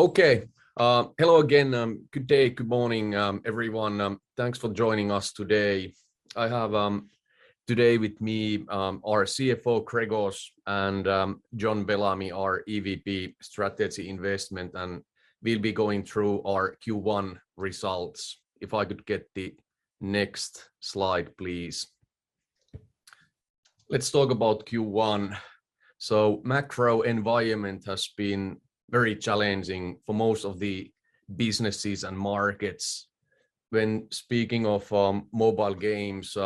Okay. Hello again. Good day, good morning, everyone. Thanks for joining us today. I have today with me our CFO, Grzegorz Kania, and Jon Bellamy, our EVP Strategy & Investment, and we'll be going through our Q1 results. If I could get the next slide, please. Let's talk about Q1. Macro environment has been very challenging for most of the businesses and markets. When speaking of mobile games,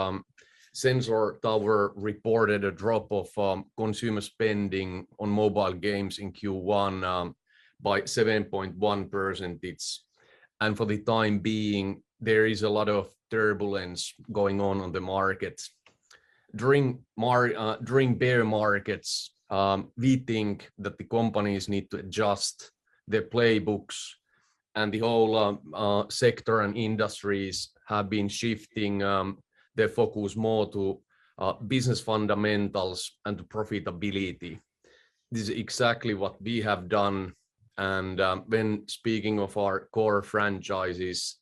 Sensor Tower reported a drop of consumer spending on mobile games in Q1 by 7.1%. For the time being, there is a lot of turbulence going on in the markets. During bear markets, we think that the companies need to adjust their playbooks, and the whole sector and industries have been shifting their focus more to business fundamentals and profitability. This is exactly what we have done and, when speaking of our core franchises,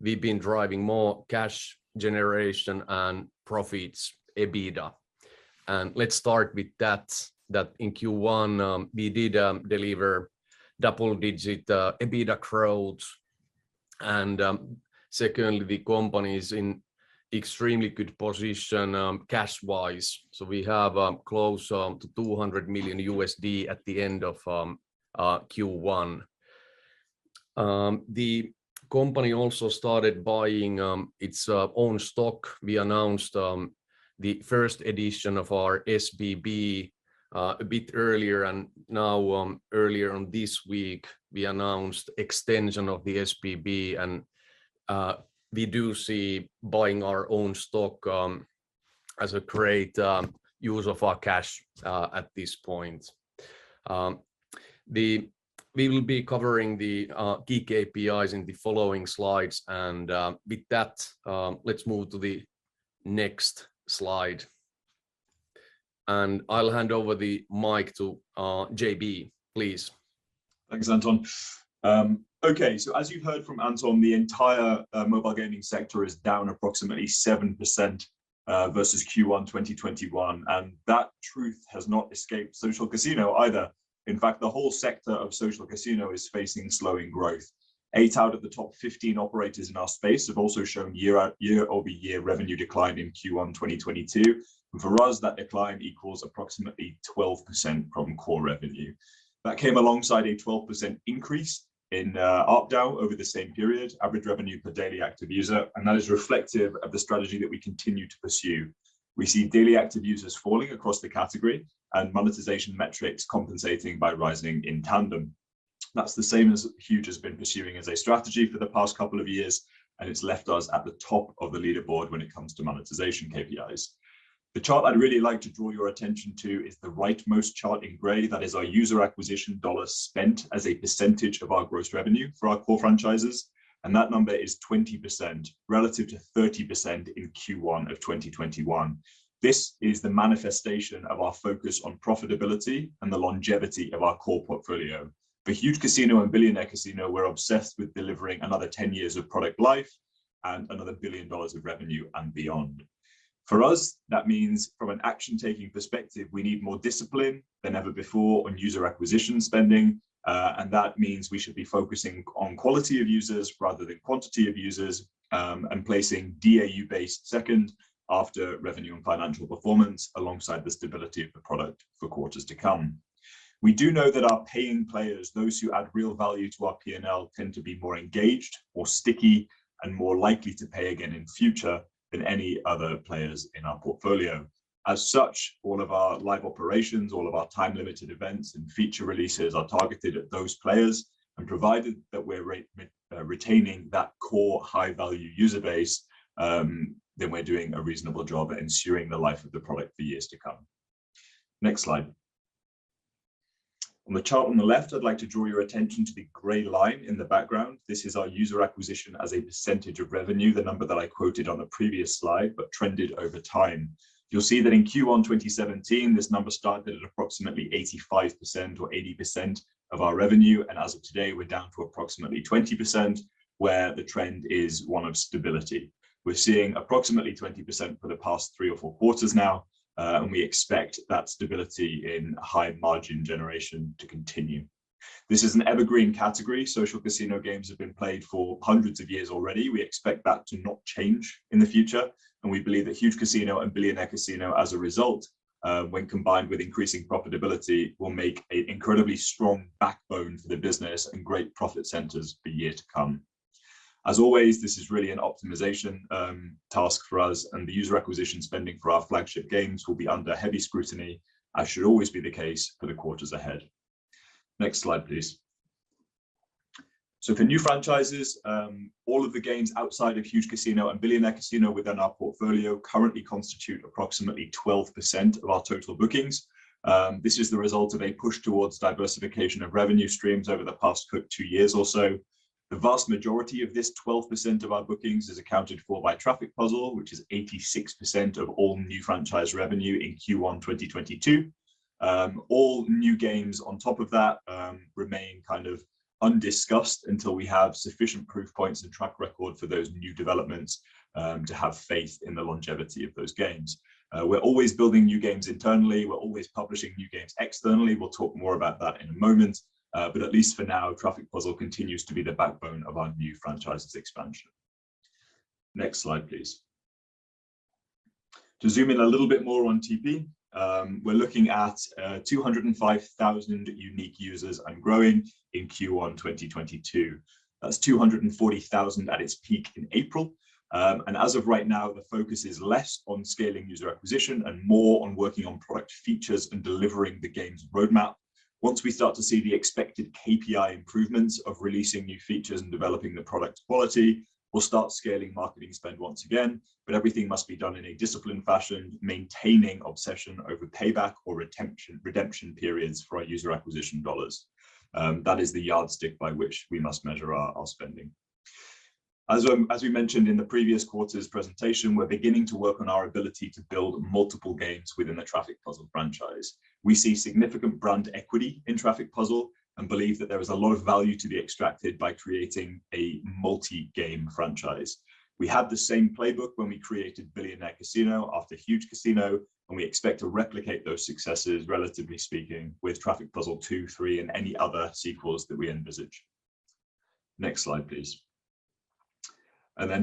we've been driving more cash generation and profits, EBITDA. Let's start with that in Q1, we did deliver double-digit EBITDA growth. Secondly, the company is in extremely good position cash-wise. We have close to $200 million at the end of Q1. The company also started buying its own stock. We announced the first edition of our SBB a bit earlier and now earlier on this week we announced extension of the SBB and we do see buying our own stock as a great use of our cash at this point. We will be covering the key KPIs in the following slides and with that let's move to the next slide. I'll hand over the mic to JB, please. Thanks, Anton. Okay. As you heard from Anton, the entire mobile gaming sector is down approximately 7%, versus Q1 2021, and that truth has not escaped social casino either. In fact, the whole sector of social casino is facing slowing growth. Eight out of the top 15 operators in our space have also shown year-over-year revenue decline in Q1 2022. For us, that decline equals approximately 12% from core revenue. That came alongside a 12% increase in ARPDAU over the same period, average revenue per daily active user, and that is reflective of the strategy that we continue to pursue. We see daily active users falling across the category and monetization metrics compensating by rising in tandem. That's the same as Huuuge has been pursuing as a strategy for the past couple of years, and it's left us at the top of the leaderboard when it comes to monetization KPIs. The chart I'd really like to draw your attention to is the right-most chart in gray. That is our user acquisition dollars spent as a percentage of our gross revenue for our core franchises, and that number is 20% relative to 30% in Q1 of 2021. This is the manifestation of our focus on profitability and the longevity of our core portfolio. For Huuuge Casino and Billionaire Casino, we're obsessed with delivering another 10 years of product life and another $1 billion of revenue and beyond. For us, that means from an action-taking perspective, we need more discipline than ever before on user acquisition spending. that means we should be focusing on quality of users rather than quantity of users, and placing DAU-based second after revenue and financial performance alongside the stability of the product for quarters to come. We do know that our paying players, those who add real value to our P&L, tend to be more engaged, more sticky, and more likely to pay again in future than any other players in our portfolio. As such, all of our live operations, all of our time-limited events and feature releases are targeted at those players, and provided that we're retaining that core high-value user base, then we're doing a reasonable job at ensuring the life of the product for years to come. Next slide. On the chart on the left, I'd like to draw your attention to the gray line in the background. This is our user acquisition as a percentage of revenue, the number that I quoted on a previous slide, but trended over time. You'll see that in Q1 2017, this number started at approximately 85% or 80% of our revenue, and as of today, we're down to approximately 20%, where the trend is one of stability. We're seeing approximately 20% for the past three or four quarters now, and we expect that stability in high margin generation to continue. This is an evergreen category. Social casino games have been played for hundreds of years already. We expect that to not change in the future, and we believe that Huuuge Casino and Billionaire Casino as a result, when combined with increasing profitability, will make an incredibly strong backbone for the business and great profit centers for years to come. As always, this is really an optimization task for us, and the user acquisition spending for our flagship games will be under heavy scrutiny, as should always be the case for the quarters ahead. Next slide, please. For new franchises, all of the games outside of Huuuge Casino and Billionaire Casino within our portfolio currently constitute approximately 12% of our total bookings. This is the result of a push towards diversification of revenue streams over the past two years or so. The vast majority of this 12% of our bookings is accounted for by Traffic Puzzle, which is 86% of all new franchise revenue in Q1 2022. All new games on top of that remain kind of undiscussed until we have sufficient proof points and track record for those new developments to have faith in the longevity of those games. We're always building new games internally. We're always publishing new games externally. We'll talk more about that in a moment. At least for now, Traffic Puzzle continues to be the backbone of our new franchise's expansion. Next slide, please. To zoom in a little bit more on TP, we're looking at 205,000 unique users and growing in Q1 2022. That's 240,000 at its peak in April. As of right now, the focus is less on scaling user acquisition and more on working on product features and delivering the game's roadmap. Once we start to see the expected KPI improvements of releasing new features and developing the product quality, we'll start scaling marketing spend once again, but everything must be done in a disciplined fashion, maintaining obsession over payback or retention-redemption periods for our user acquisition dollars. That is the yardstick by which we must measure our spending. As we mentioned in the previous quarter's presentation, we're beginning to work on our ability to build multiple games within the Traffic Puzzle franchise. We see significant brand equity in Traffic Puzzle and believe that there is a lot of value to be extracted by creating a multi-game franchise. We had the same playbook when we created Billionaire Casino after Huuuge Casino, and we expect to replicate those successes, relatively speaking, with Traffic Puzzle 2, 3 and any other sequels that we envisage. Next slide, please.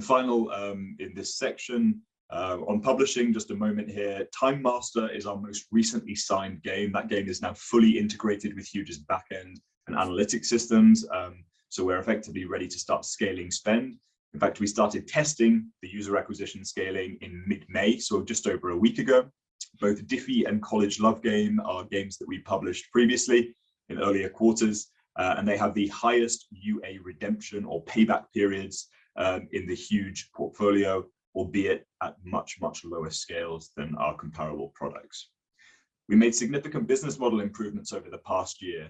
Final, in this section, on publishing, just a moment here. Time Master is our most recently signed game. That game is now fully integrated with Huuuge's backend and analytics systems, so we're effectively ready to start scaling spend. In fact, we started testing the user acquisition scaling in mid-May, so just over a week ago. Both Diffy and College Love Game are games that we published previously in earlier quarters, and they have the highest UA redemption or payback periods, in the Huuuge portfolio, albeit at much, much lower scales than our comparable products. We made significant business model improvements over the past year.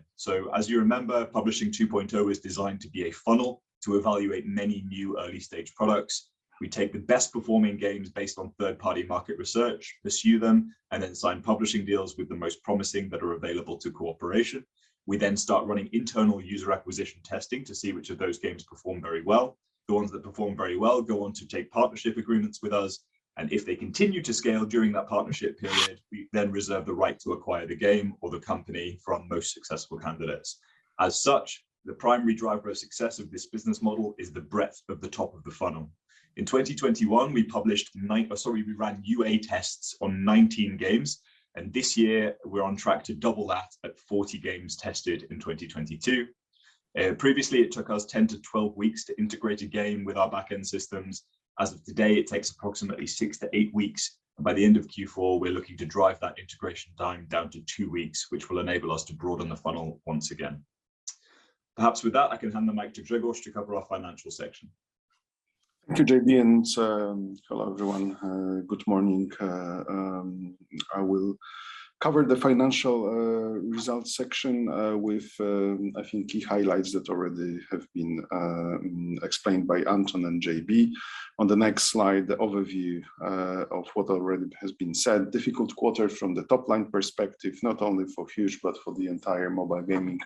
As you remember, Publishing 2.0 is designed to be a funnel to evaluate many new early-stage products. We take the best-performing games based on third-party market research, pursue them, and then sign publishing deals with the most promising that are available to cooperation. We then start running internal user acquisition testing to see which of those games perform very well. The ones that perform very well go on to take partnership agreements with us, and if they continue to scale during that partnership period, we then reserve the right to acquire the game or the company from most successful candidates. As such, the primary driver of success of this business model is the breadth of the top of the funnel. In 2021, we ran UA tests on 19 games, and this year we're on track to double that at 40 games tested in 2022. Previously it took us 10-12 weeks to integrate a game with our backend systems. As of today, it takes approximately 6-8 weeks, and by the end of Q4, we're looking to drive that integration time down to 2 weeks, which will enable us to broaden the funnel once again. Perhaps with that, I can hand the mic to Grzegorz to cover our financial section. Thank you, JB, and hello, everyone. Good morning. I will cover the financial results section with I think key highlights that already have been explained by Anton and JB. On the next slide, the overview of what already has been said. Difficult quarter from the top-line perspective, not only for Huuuge, but for the entire mobile gaming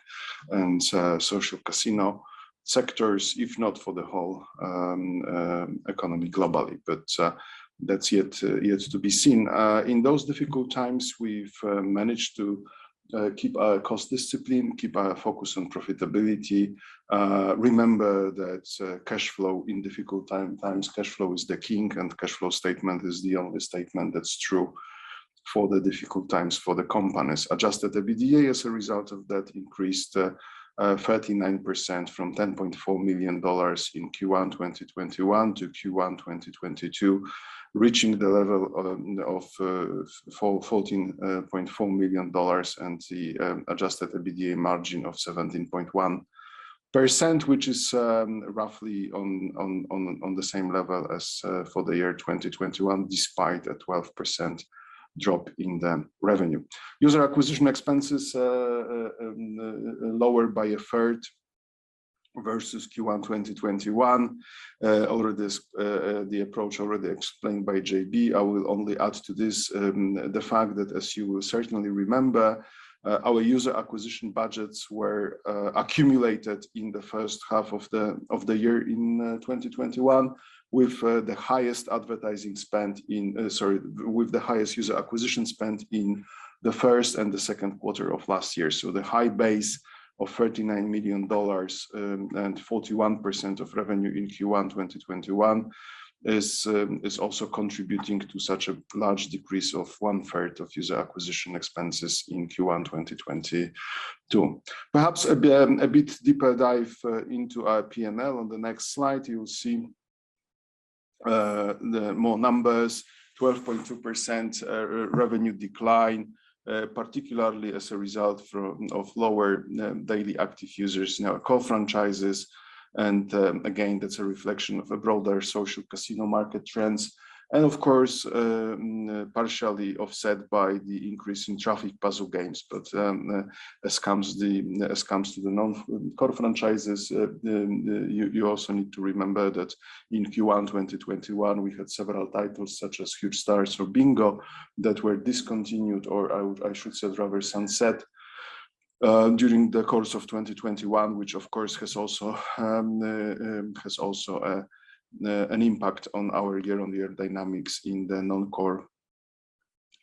and social casino sectors, if not for the whole economy globally. That's yet to be seen. In those difficult times, we've managed to keep our cost discipline, keep our focus on profitability. Remember that cash flow in difficult times, cash flow is the king, and cash flow statement is the only statement that's true for the difficult times for the companies. Adjusted EBITDA as a result of that increased 39% from $10.4 million in Q1 2021 to Q1 2022, reaching the level of $14.4 million and the adjusted EBITDA margin of 17.1%, which is roughly on the same level as for the year 2021, despite a 12% drop in the revenue. User acquisition expenses lowered by a 1/3 versus Q1 2021. Already the approach already explained by JB. I will only add to this, the fact that, as you certainly remember, our user acquisition budgets were accumulated in the first half of the year in 2021 with the highest user acquisition spend in the first and the second quarter of last year. The high base of $39 million, and 41% of revenue in Q1 2021 is also contributing to such a large decrease of 1/3 of user acquisition expenses in Q1 2022. Perhaps a bit deeper dive into our P&L. On the next slide, you'll see the more numbers, 12.2% revenue decline, particularly as a result of lower daily active users in our core franchises. Again, that's a reflection of a broader social casino market trends, and of course, partially offset by the increase in Traffic Puzzle games. As it comes to the non-core franchises, you also need to remember that in Q1 2021, we had several titles, such as Huuuge Stars or Bingo, that were discontinued, or I would, I should say rather sunsetted during the course of 2021, which of course has also an impact on our year-on-year dynamics in the non-core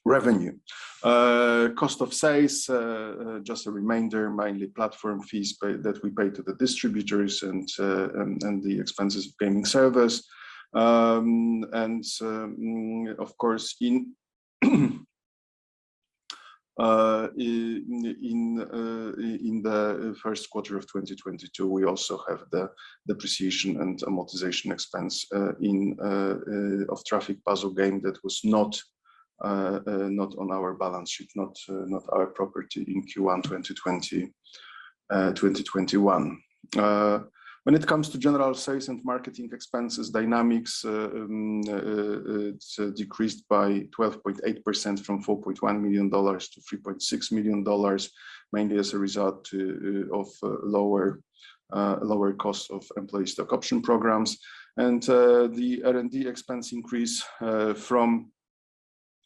revenue. Cost of sales, just a reminder, mainly platform fees that we pay to the distributors and the expenses of gaming service. Of course, in the first quarter of 2022, we also have the depreciation and amortization expense of Traffic Puzzle game that was not on our balance sheet, not our property in Q1, 2021. When it comes to general sales and marketing expenses dynamics, it's decreased by 12.8% from $4.1 million-$3.6 million, mainly as a result of lower costs of employee stock option programs. The R&D expense increase from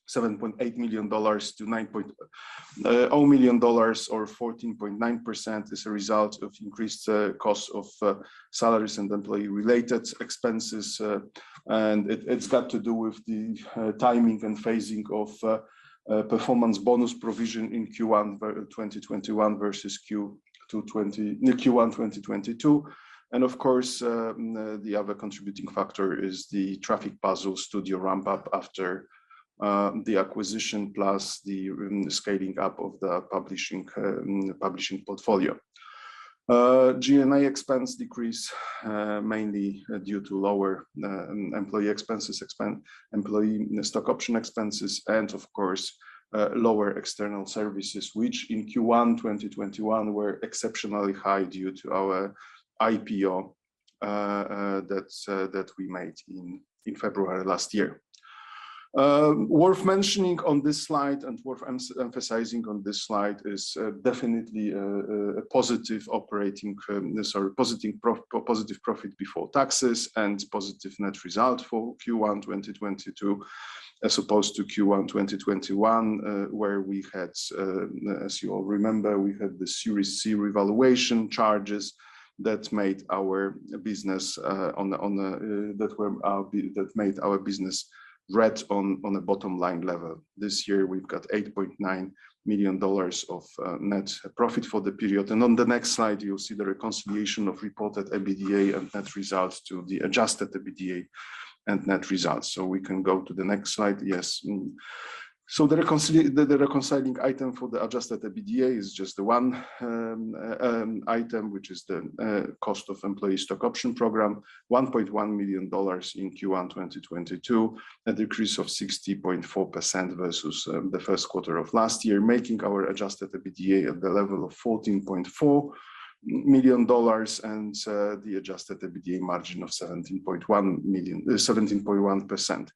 $7.8 million-$9.0 million, or 14.9% as a result of increased costs of salaries and employee-related expenses. It’s got to do with the timing and phasing of performance bonus provision in Q1 2021 versus Q1 2022. Of course, the other contributing factor is the Traffic Puzzle studio ramp-up after the acquisition, plus the scaling up of the publishing portfolio. G&A expense decrease mainly due to lower employee expenses and employee stock option expenses, and of course, lower external services, which in Q1 2021 were exceptionally high due to our IPO that we made in February last year. Worth mentioning on this slide and worth emphasizing on this slide is definitely a positive profit before taxes and positive net result for Q1 2022, as opposed to Q1 2021, where we had, as you all remember, we had the Series C revaluation charges that made our business red on the bottom line level. This year, we've got $8.9 million of net profit for the period. On the next slide, you'll see the reconciliation of reported EBITDA and net results to the adjusted EBITDA and net results. We can go to the next slide. Yes. The reconciling item for the adjusted EBITDA is just the one item, which is the cost of employee stock option program, $1.1 million in Q1 2022, a decrease of 60.4% versus the first quarter of last year, making our adjusted EBITDA at the level of $14.4 million and the adjusted EBITDA margin of 17.1%.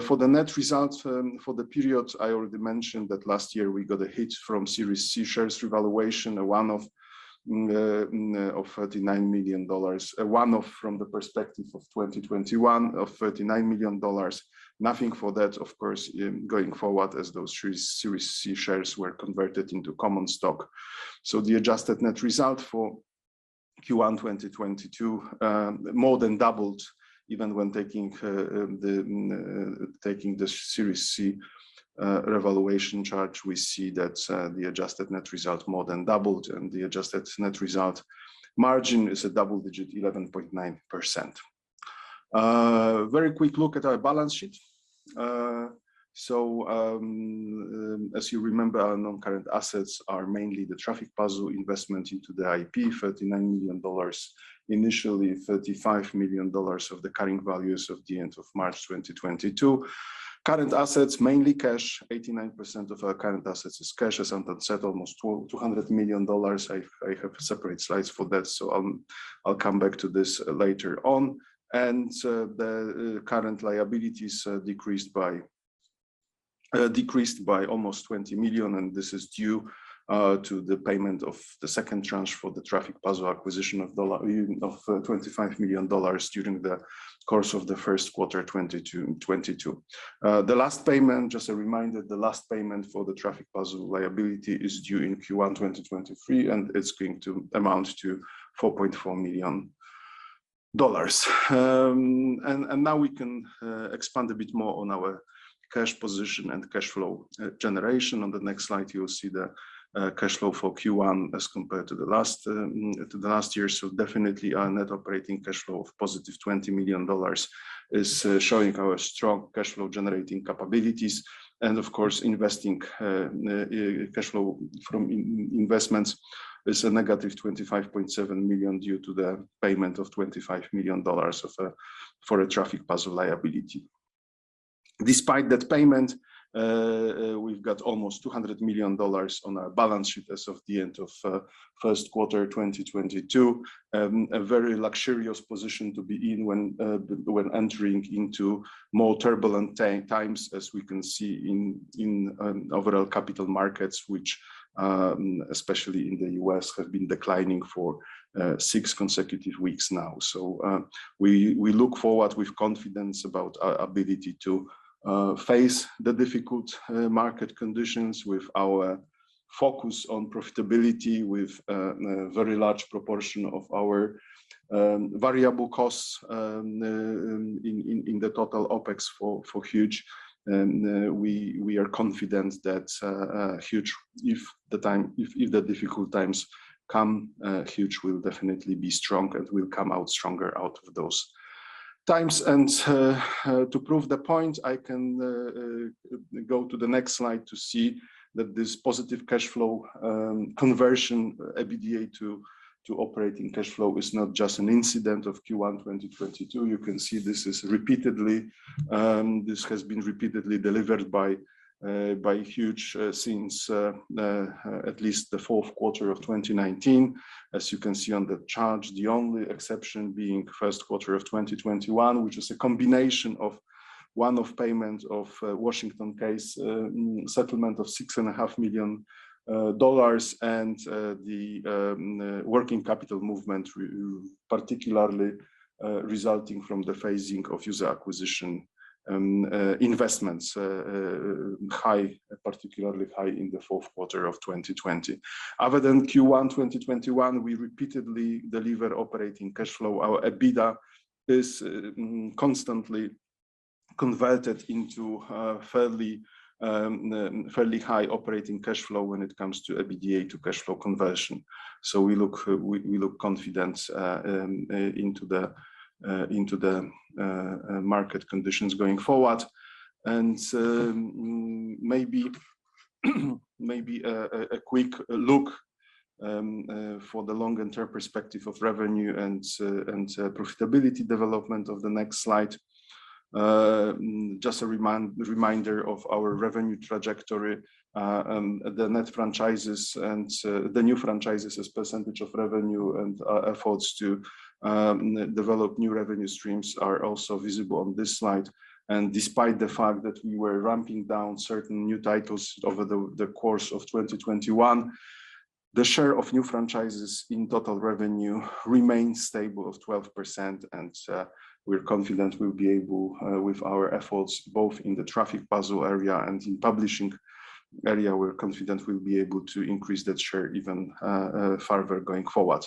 For the net results for the periods, I already mentioned that last year we got a hit from Series C shares revaluation, a one-off of $39 million, a one-off from the perspective of 2021 of $39 million. Nothing for that, of course, going forward as those Series C shares were converted into common stock. The adjusted net result for Q1, 2022, more than doubled even when taking the Series C revaluation charge. We see that the adjusted net result more than doubled, and the adjusted net result margin is a double-digit 11.9%. Very quick look at our balance sheet. As you remember, our non-current assets are mainly the Traffic Puzzle investment into the IP, $39 million, initially $35 million at the current values at the end of March 2022. Current assets, mainly cash, 89% of our current assets is cash, as I said, almost $200 million. I have separate slides for that, so I'll come back to this later on. The current liabilities decreased by almost $20 million, and this is due to the payment of the second tranche for the Traffic Puzzle acquisition of $25 million during the course of the first quarter of 2022. The last payment, just a reminder, for the Traffic Puzzle liability is due in Q1 2023, and it's going to amount to $4.4 million. Now we can expand a bit more on our cash position and cash flow generation. On the next slide, you will see the cash flow for Q1 as compared to the last year. Definitely our net operating cash flow of positive $20 million is showing our strong cash flow generating capabilities. Of course, investing cash flow from investments is a negative $25.7 million due to the payment of $25 million for a Traffic Puzzle liability. Despite that payment, we've got almost $200 million on our balance sheet as of the end of first quarter 2022. A very luxurious position to be in when entering into more turbulent times, as we can see in overall capital markets, which especially in the U.S., have been declining for six consecutive weeks now. We look forward with confidence about our ability to face the difficult market conditions with our focus on profitability, with a very large proportion of our variable costs in the total OpEx for Huuuge. We are confident that Huuuge, if the difficult times come, Huuuge will definitely be strong and will come out stronger out of those times, to prove the point, I can go to the next slide to see that this positive cash flow conversion, EBITDA to operating cash flow is not just an incident of Q1 2022. You can see this has been repeatedly delivered by Huuuge since at least the fourth quarter of 2019, as you can see on the chart. The only exception being first quarter of 2021, which is a combination of one-off payment of Washington case settlement of $6.5 million, and the working capital movement, particularly resulting from the phasing of user acquisition investments, particularly high in the fourth quarter of 2020. Other than Q1 2021, we repeatedly deliver operating cash flow. Our EBITDA is constantly converted into fairly high operating cash flow when it comes to EBITDA to cash flow conversion. We look confident into the market conditions going forward. Maybe a quick look for the long-term perspective of revenue and profitability development of the next slide. Just a reminder of our revenue trajectory, the new franchises and the new franchises as percentage of revenue and our efforts to develop new revenue streams are also visible on this slide. Despite the fact that we were ramping down certain new titles over the course of 2021, the share of new franchises in total revenue remains stable at 12%, so with our efforts both in the Traffic Puzzle area and in publishing area, we're confident we'll be able to increase that share even further going forward.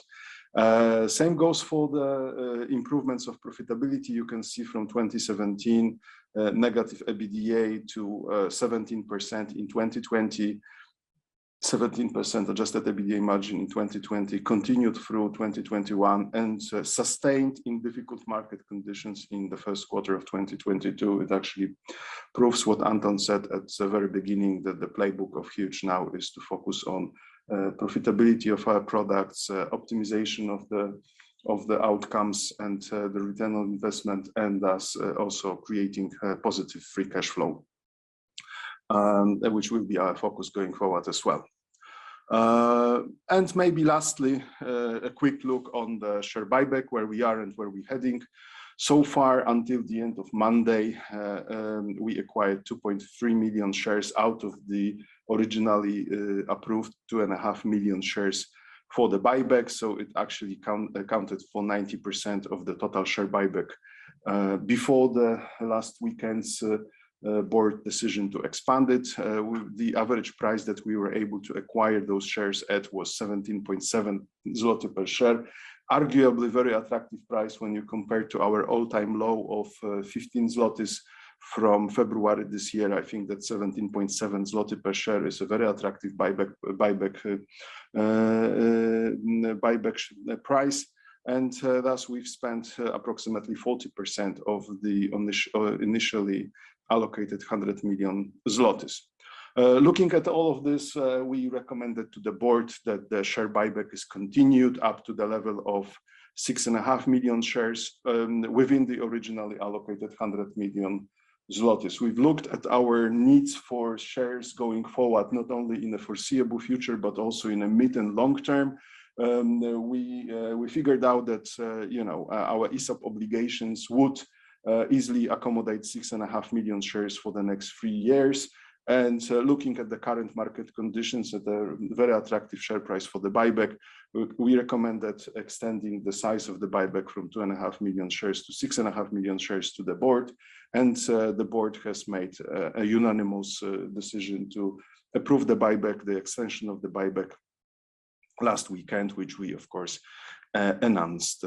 Same goes for the improvements of profitability. You can see from 2017, negative EBITDA to 17% in 2020, 17% adjusted EBITDA margin in 2020 continued through 2021, and sustained in difficult market conditions in the first quarter of 2022. It actually proves what Anton said at the very beginning, that the playbook of Huuuge now is to focus on profitability of our products, optimization of the outcomes and the return on investment, and thus also creating positive free cashflow, which will be our focus going forward as well. Maybe lastly, a quick look on the share buyback, where we are and where we're heading. So far, until the end of Monday, we acquired 2.3 million shares out of the originally approved 2.5 million shares for the buyback. It actually counted for 90% of the total share buyback before the last weekend's board decision to expand it. The average price that we were able to acquire those shares at was 17.7 zloty per share. Arguably, a very attractive price when you compare to our all-time low of 15 zlotys from February this year. I think that 17.7 zloty per share is a very attractive buyback price. Thus we've spent approximately 40% of the initially allocated 100 million zlotys. Looking at all of this, we recommended to the board that the share buyback is continued up to the level of 6.5 million shares within the originally allocated 100 million zlotys. We've looked at our needs for shares going forward, not only in the foreseeable future, but also in the mid and long term. We figured out that you know, our ESOP obligations would easily accommodate 6.5 million shares for the next three years. Looking at the current market conditions at a very attractive share price for the buyback, we recommended extending the size of the buyback from 2.5 million shares to 6.5 million shares to the board. The board has made a unanimous decision to approve the buyback, the extension of the buyback last weekend, which we, of course, announced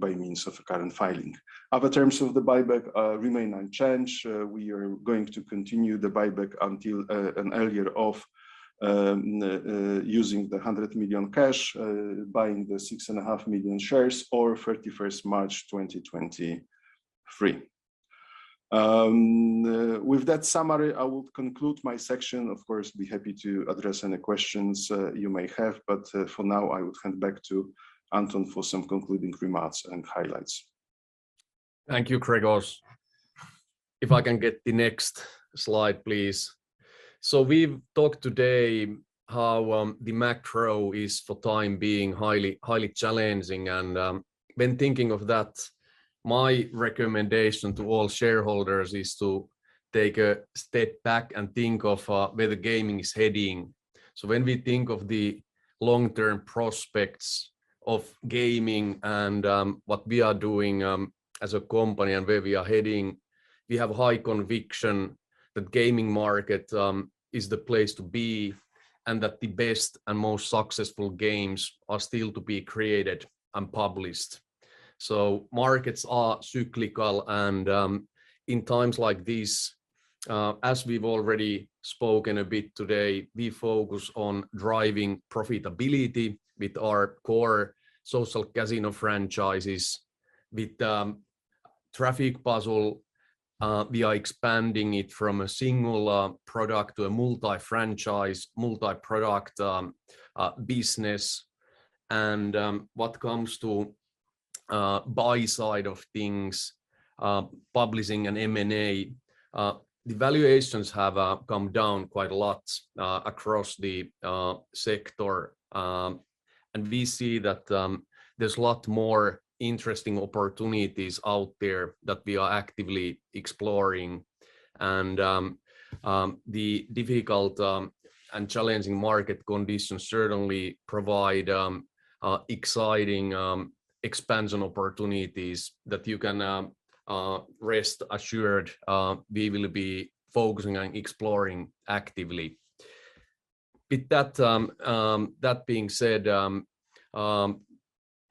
by means of a current filing. Other terms of the buyback remain unchanged. We are going to continue the buyback until an earlier of using the $100 million cash, buying the 6.5 million shares, or 31st March 2023. With that summary, I will conclude my section. Of course, be happy to address any questions you may have. For now, I will hand back to Anton for some concluding remarks and highlights. Thank you, Grzegorz. If I can get the next slide, please. We've talked today how the macro is for the time being highly challenging. When thinking of that, my recommendation to all shareholders is to take a step back and think of where the gaming is heading. When we think of the long-term prospects of gaming and what we are doing as a company and where we are heading, we have high conviction that gaming market is the place to be and that the best and most successful games are still to be created and published. Markets are cyclical and in times like these, as we've already spoken a bit today, we focus on driving profitability with our core social casino franchises. With Traffic Puzzle, we are expanding it from a single product to a multi-franchise, multi-product business. What comes to buy-side of things, publishing and M&A, the valuations have come down quite a lot across the sector. We see that there's lot more interesting opportunities out there that we are actively exploring and the difficult and challenging market conditions certainly provide exciting expansion opportunities that you can rest assured we will be focusing on exploring actively. With that being said,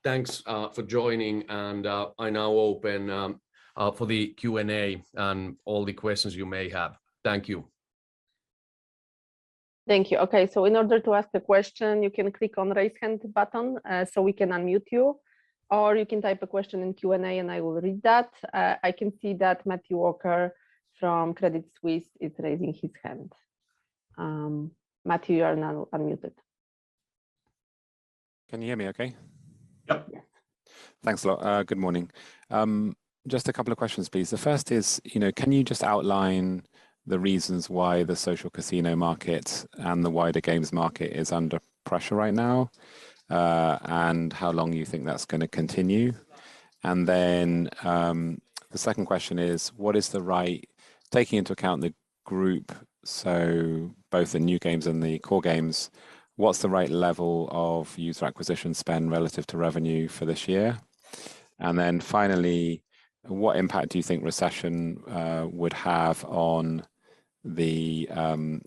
thanks for joining and I now open for the Q&A, and all the questions you may have. Thank you. Thank you. Okay, in order to ask a question, you can click on the Raise Hand button, so we can unmute you, or you can type a question in Q&A and I will read that. I can see that Matthew Walker from Credit Suisse is raising his hand. Matthew, you are now unmuted. Can you hear me okay? Yep. Yeah. Thanks a lot. Good morning. Just a couple of questions, please. The first is, you know, can you just outline the reasons why the social casino market and the wider games market is under pressure right now, and how long you think that's gonna continue? And then, the second question is, Taking into account the group, so both the new games and the core games, what's the right level of user acquisition spend relative to revenue for this year? And then finally, what impact do you think recession would have on the,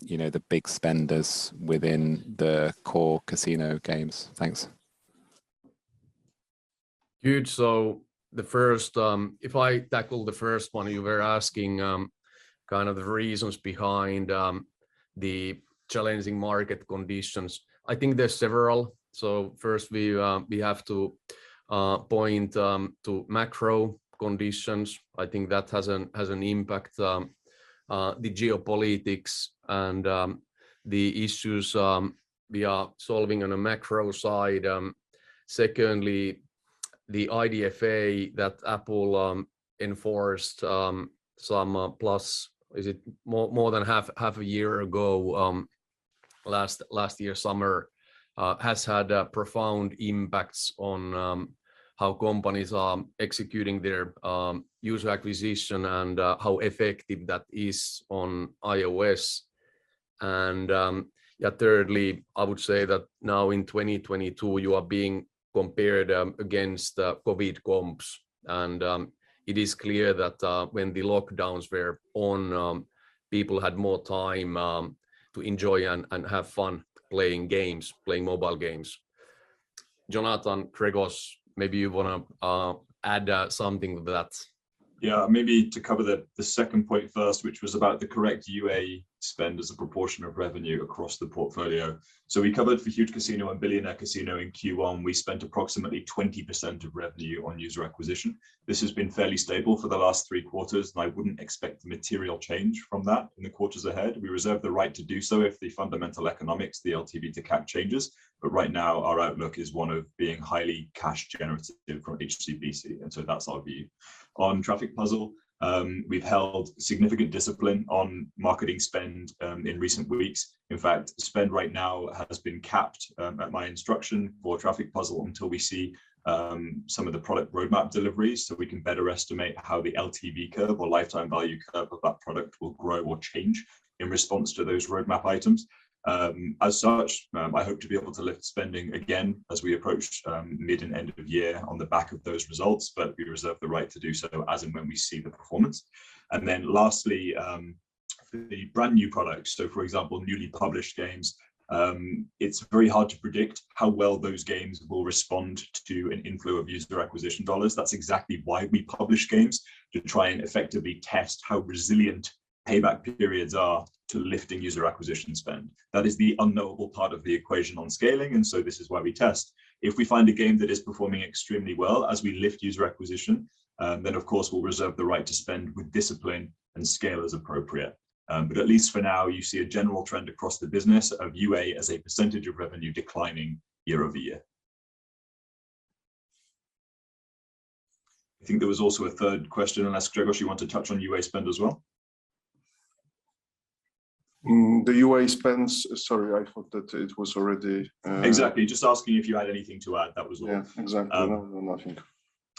you know, the big spenders within the core casino games? Thanks. Huuuge. The first, if I tackle the first one, you were asking, kind of the reasons behind the challenging market conditions. I think there's several. Firstly, we have to point to macro conditions. I think that has an impact, the geopolitics and the issues we are solving on a macro side. Secondly, the IDFA that Apple enforced more than half a year ago, last summer, has had profound impacts on how companies are executing their user acquisition and how effective that is on iOS. Yeah, thirdly, I would say that now in 2022, you are being compared against the COVID comps and it is clear that when the lockdowns were on, people had more time to enjoy and have fun playing games, playing mobile games. Jonathan, Gregos, maybe you wanna add something to that. Yeah. Maybe to cover the second point first, which was about the correct UA spend as a proportion of revenue across the portfolio. We covered for Huuuge Casino and Billionaire Casino in Q1. We spent approximately 20% of revenue on user acquisition. This has been fairly stable for the last three quarters, and I wouldn't expect material change from that in the quarters ahead. We reserve the right to do so if the fundamental economics, the LTV to CAC changes, but right now our outlook is one of being highly cash generative for HCBC. That's our view. On Traffic Puzzle, we've held significant discipline on marketing spend in recent weeks. In fact, spend right now has been capped at my instruction for Traffic Puzzle until we see some of the product roadmap deliveries, so we can better estimate how the LTV curve or lifetime value curve of that product will grow or change in response to those roadmap items. As such, I hope to be able to lift spending again as we approach mid and end of year on the back of those results, but we reserve the right to do so as and when we see the performance. Then lastly, for the brand-new products, so for example, newly published games, it's very hard to predict how well those games will respond to an inflow of user acquisition dollars. That's exactly why we publish games, to try and effectively test how resilient payback periods are to lifting user acquisition spend. That is the unknowable part of the equation on scaling, and so this is why we test. If we find a game that is performing extremely well as we lift user acquisition, then of course we'll reserve the right to spend with discipline and scale as appropriate. At least for now, you see a general trend across the business of UA as a percentage of revenue declining year-over-year. I think there was also a third question unless, Grzegorz, you want to touch on UA spend as well? Sorry, I thought that it was already. Exactly. Just asking you if you had anything to add. That was all. Yeah, exactly. No, nothing.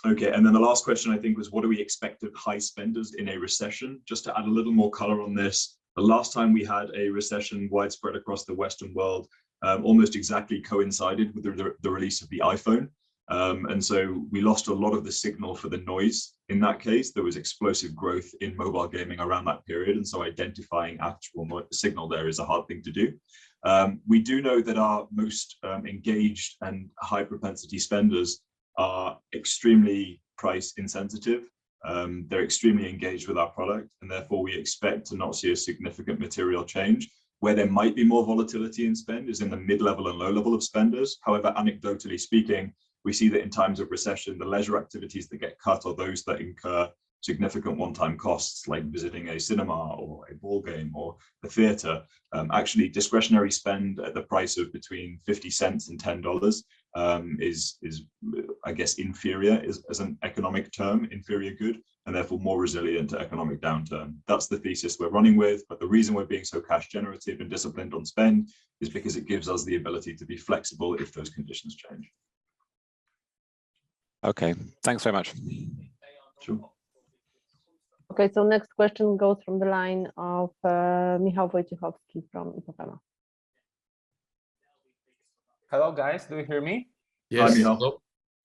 Okay. The last question I think was what do we expect of high spenders in a recession? Just to add a little more color on this, the last time we had a recession widespread across the Western world, almost exactly coincided with the release of the iPhone. We lost a lot of the signal from the noise. In that case, there was explosive growth in mobile gaming around that period, identifying actual signal there is a hard thing to do. We do know that our most engaged and high propensity spenders are extremely price insensitive. They're extremely engaged with our product, and therefore, we expect to not see a significant material change. Where there might be more volatility in spend is in the mid-level and low level of spenders. However, anecdotally speaking, we see that in times of recession, the leisure activities that get cut are those that incur significant one-time costs, like visiting a cinema or a ball game or the theater. Actually, discretionary spend at the price of between $0.50 and $10 is, I guess, inferior, as an economic term, inferior good, and therefore, more resilient to economic downturn. That's the thesis we're running with, but the reason we're being so cash generative and disciplined on spend is because it gives us the ability to be flexible if those conditions change. Okay. Thanks very much. Sure. Okay, next question goes from the line of Michał Wojciechowski from Ipopema. Hello, guys. Do you hear me? Yes. Hi, Michał.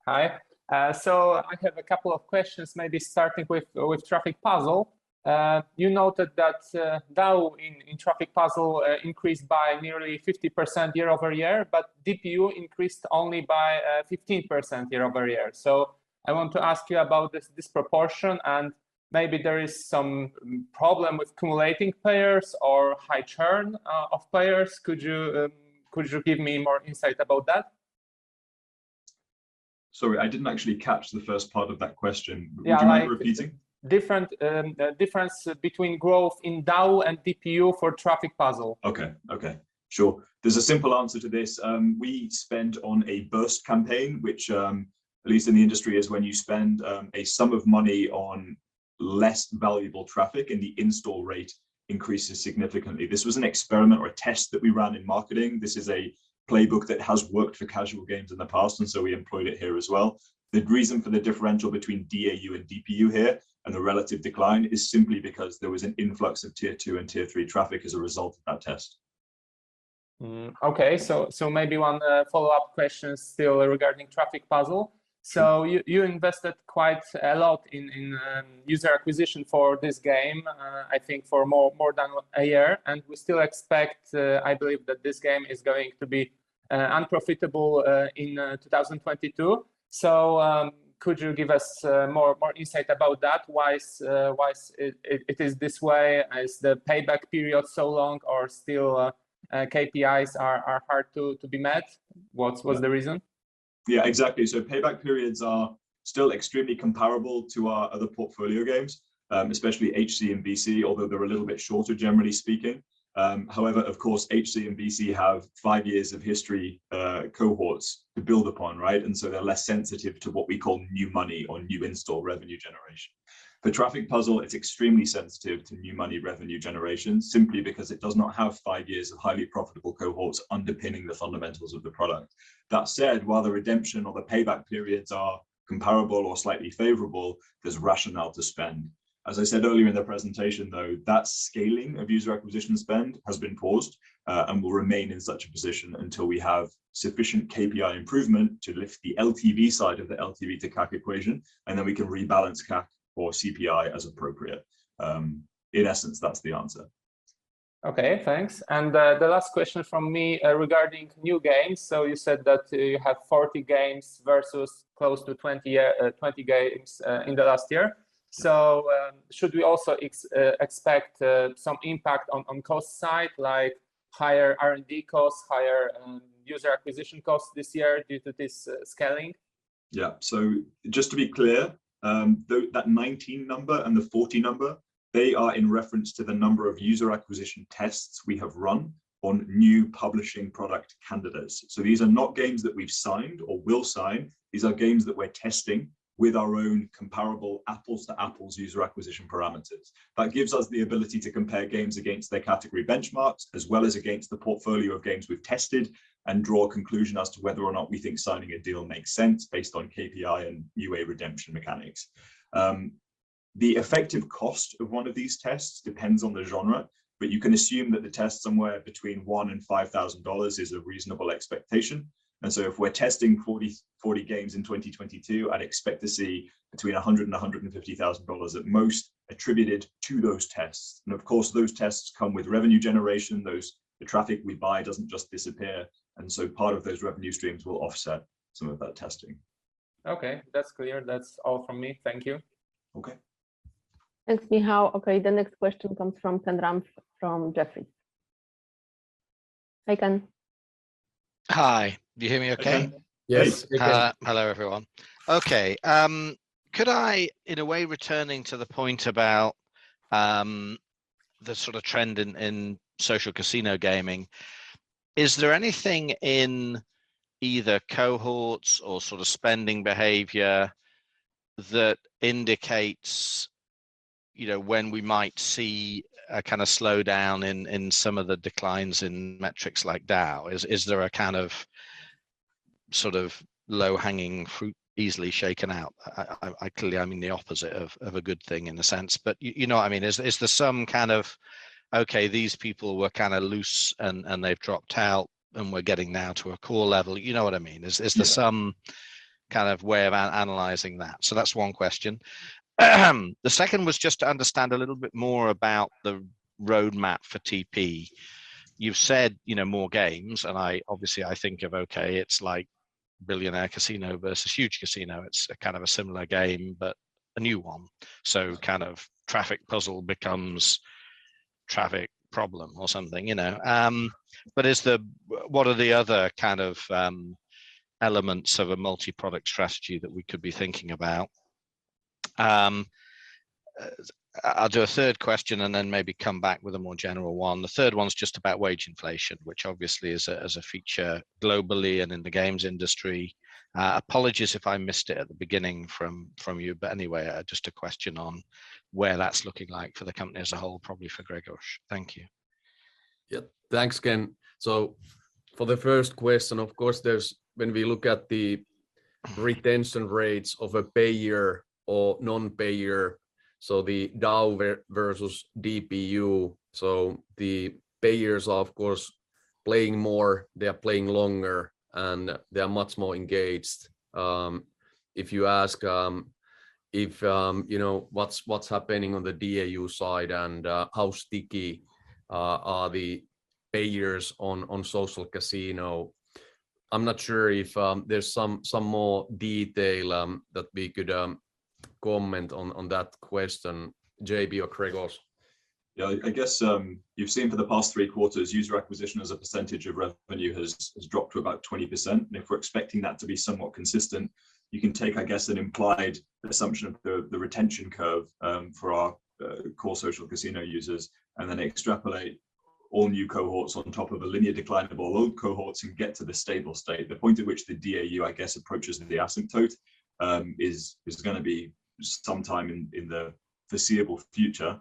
Hi. I have a couple of questions, maybe starting with Traffic Puzzle. You noted that DAU in Traffic Puzzle increased by nearly 50% year-over-year, but DPU increased only by 15% year-over-year. I want to ask you about this disproportion, and maybe there is some problem with accumulating players or high churn of players. Could you give me more insight about that? Sorry, I didn't actually catch the first part of that question. Yeah. Would you mind repeating? Difference between growth in DAU and DPU for Traffic Puzzle. Okay. Sure. There's a simple answer to this. We spent on a burst campaign, which, at least in the industry, is when you spend a sum of money on less valuable traffic and the install rate increases significantly. This was an experiment or a test that we ran in marketing. This is a playbook that has worked for casual games in the past, and so we employed it here as well. The reason for the differential between DAU and DPU here and the relative decline is simply because there was an influx of tier two and tier three traffic as a result of that test. Okay. Maybe one follow-up question still regarding Traffic Puzzle. You invested quite a lot in user acquisition for this game, I think for more than a year, and we still expect, I believe that this game is going to be unprofitable in 2022. Could you give us more insight about that, why is it this way? Is the payback period so long or still KPIs are hard to be met? What's the reason? Yeah, exactly. Payback periods are still extremely comparable to our other portfolio games, especially HC and BC, although they're a little bit shorter, generally speaking. However, of course, HC and BC have five years of history, cohorts to build upon, right? They're less sensitive to what we call new money or new install revenue generation. For Traffic Puzzle, it's extremely sensitive to new money revenue generation simply because it does not have five years of highly profitable cohorts underpinning the fundamentals of the product. That said, while the redemption or the payback periods are comparable or slightly favorable, there's rationale to spend. As I said earlier in the presentation, though, that scaling of user acquisition spend has been paused, and will remain in such a position until we have sufficient KPI improvement to lift the LTV side of the LTV to CAC equation, and then we can rebalance CAC or CPI as appropriate. In essence, that's the answer. Okay, thanks. The last question from me regarding new games. You said that you have 40 games versus close to 20 games in the last year. Should we also expect some impact on cost side, like higher R&D costs, higher user acquisition costs this year due to this scaling? Yeah. Just to be clear, that 19 number and the 40 number, they are in reference to the number of user acquisition tests we have run on new publishing product candidates. These are not games that we've signed or will sign. These are games that we're testing with our own comparable apples to apples user acquisition parameters. That gives us the ability to compare games against their category benchmarks as well as against the portfolio of games we've tested and draw a conclusion as to whether or not we think signing a deal makes sense based on KPI and UA redemption mechanics. The effective cost of one of these tests depends on the genre, but you can assume that the test somewhere between $1,000 and $5,000 is a reasonable expectation. If we're testing 40 games in 2022, I'd expect to see between $100,000 and $150,000 at most attributed to those tests. Of course, those tests come with revenue generation. The traffic we buy doesn't just disappear, and so part of those revenue streams will offset some of that testing. Okay. That's clear. That's all from me. Thank you. Okay. Thanks, Michał. Okay, the next question comes from Ken Rumsey from Jefferies. Hi, Ken. Hi. Do you hear me okay? Yes. Yes. Hello, everyone. Okay. Could I, in a way, returning to the point about the sort of trend in social casino gaming, is there anything in either cohorts or sort of spending behavior that indicates, you know, when we might see a kinda slowdown in some of the declines in metrics like DAU? Is there a kind of, sort of low-hanging fruit easily shaken out? I clearly, I mean the opposite of a good thing in a sense. But you know what I mean. Is there some kind of, okay, these people were kinda loose and they've dropped out, and we're getting now to a core level? You know what I mean. Is there some kind of way of analyzing that? That's one question. The second was just to understand a little bit more about the roadmap for TP. You've said, you know, more games, and I obviously, I think of, okay, it's like Billionaire Casino versus Huuuge Casino. It's a kind of a similar game, but a new one. Kind of Traffic Puzzle becomes Traffic Problem or something, you know. What are the other kind of elements of a multi-product strategy that we could be thinking about? I'll do a third question and then maybe come back with a more general one. The third one is just about wage inflation, which obviously is a feature globally and in the games industry. Apologies if I missed it at the beginning from you. Anyway, just a question on where that's looking like for the company as a whole, probably for Grzegorz. Thank you. Yeah. Thanks, Ken. For the first question, of course, there's. When we look at the retention rates of a payer or non-payer, so the DAU versus DPU. The payers are, of course, playing more, they are playing longer, and they are much more engaged. If you ask, if, you know, what's happening on the DAU side and, how sticky are the payers on Social Casino, I'm not sure if there's some more detail that we could comment on that question. JB or Grzegorz? Yeah. I guess you've seen for the past three quarters, user acquisition as a percentage of revenue has dropped to about 20%. If we're expecting that to be somewhat consistent, you can take, I guess, an implied assumption of the retention curve for our core Social Casino users and then extrapolate all new cohorts on top of a linear decline of all old cohorts and get to the stable state. The point at which the DAU, I guess, approaches the asymptote is gonna be sometime in the foreseeable future,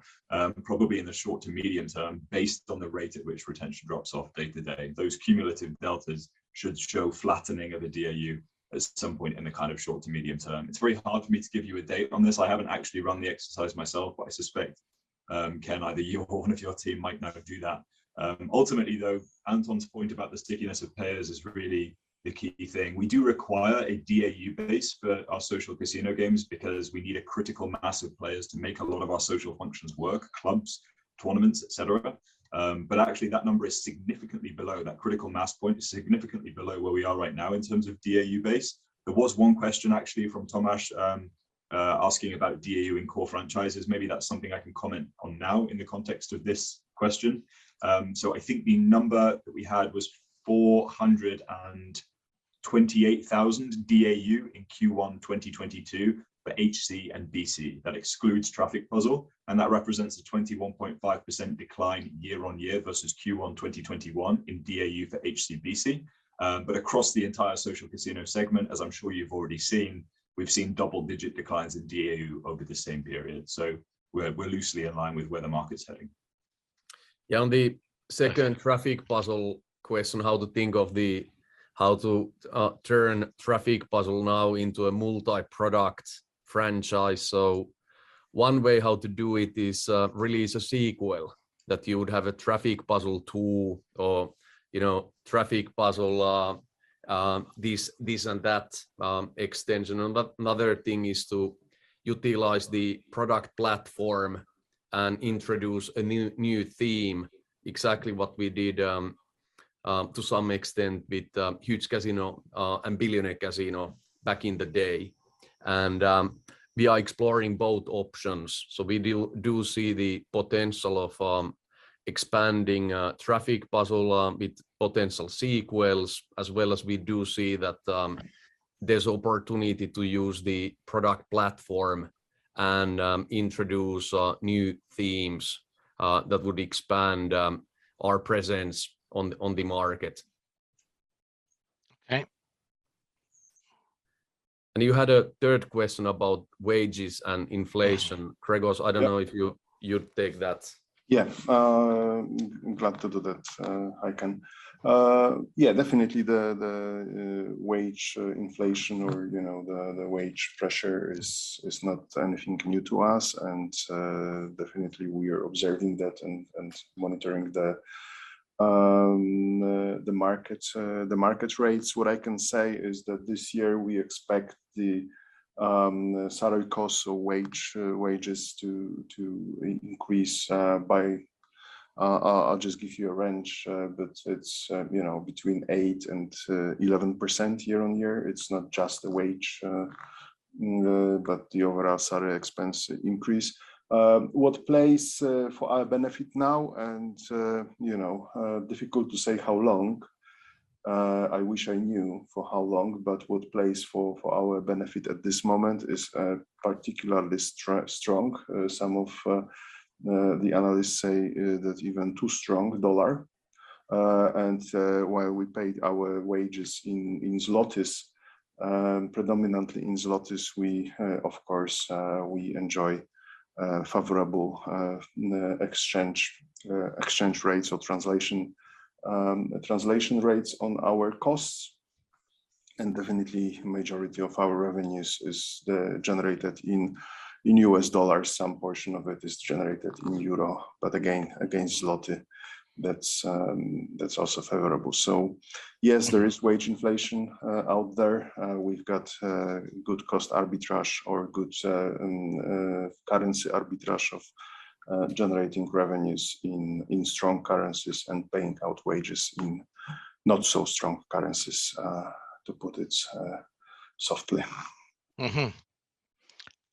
probably in the short to medium term based on the rate at which retention drops off day-to-day. Those cumulative deltas should show flattening of a DAU at some point in the kind of short to medium term. It's very hard for me to give you a date on this. I haven't actually run the exercise myself, but I suspect, Ken, either you or one of your team might know how to do that. Ultimately though, Anton's point about the stickiness of payers is really the key thing. We do require a DAU base for our Social Casino games because we need a critical mass of players to make a lot of our social functions work, clubs, tournaments, et cetera. Actually that critical mass point is significantly below where we are right now in terms of DAU base. There was one question actually from Tomasz asking about DAU in core franchises. Maybe that's something I can comment on now in the context of this question. I think the number that we had was 428,000 DAU in Q1 2022 for HC and BC. That excludes Traffic Puzzle, and that represents a 21.5% decline year-over-year versus Q1 2021 in DAU for HCBC. Across the entire Social Casino segment, as I'm sure you've already seen, we've seen double-digit declines in DAU over the same period. We're loosely in line with where the market's heading. Yeah. On the second Traffic Puzzle question, how to turn Traffic Puzzle now into a multi-product franchise. One way how to do it is release a sequel, that you would have a Traffic Puzzle Two or, you know, Traffic Puzzle, this and that, extension. Another thing is to utilize the product platform and introduce a new theme. Exactly what we did to some extent with Huuuge Casino and Billionaire Casino back in the day. We are exploring both options. We see the potential of expanding Traffic Puzzle with potential sequels, as well as we see that there's opportunity to use the product platform and introduce new themes that would expand our presence on the market. Okay. You had a third question about wages and inflation. Grzegorz, I don't know if you Yeah. You'd take that. Yeah. I'm glad to do that. I can. Yeah, definitely the wage inflation or, you know, the wage pressure is not anything new to us. Definitely we are observing that and monitoring the market rates. What I can say is that this year we expect the salary costs or wages to increase by. I'll just give you a range, but it's, you know, between 8% and 11% year-over-year. It's not just the wage, but the overall salary expense increase. What plays for our benefit now and, you know, difficult to say how long, I wish I knew for how long, but what plays for our benefit at this moment is particularly strong. Some of the analysts say that even too strong dollar. While we paid our wages in złoty, predominantly in złoty, we of course enjoy favorable exchange rates or translation rates on our costs. Definitely majority of our revenues is generated in U.S. dollars. Some portion of it is generated in euro, but again, against złoty, that's also favorable. Yes, there is wage inflation out there. We've got good cost arbitrage or good currency arbitrage of generating revenues in strong currencies and paying out wages in not so strong currencies to put it softly.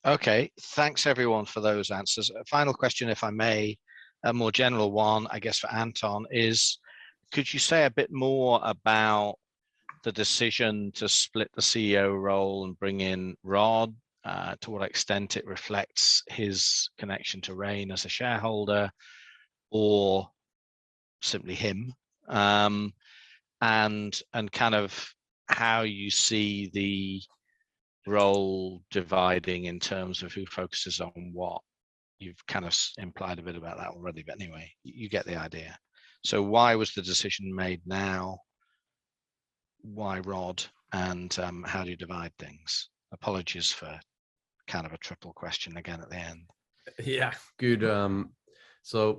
Okay. Thanks everyone for those answers. A final question, if I may, a more general one, I guess, for Anton is could you say a bit more about the decision to split the CEO role and bring in Rod? To what extent it reflects his connection to Raine as a shareholder or simply him? And kind of how you see the role dividing in terms of who focuses on what. You've kind of implied a bit about that already, but anyway, you get the idea. Why was the decision made now? Why Rod? And how do you divide things? Apologies for kind of a triple question again at the end. Yeah. Good.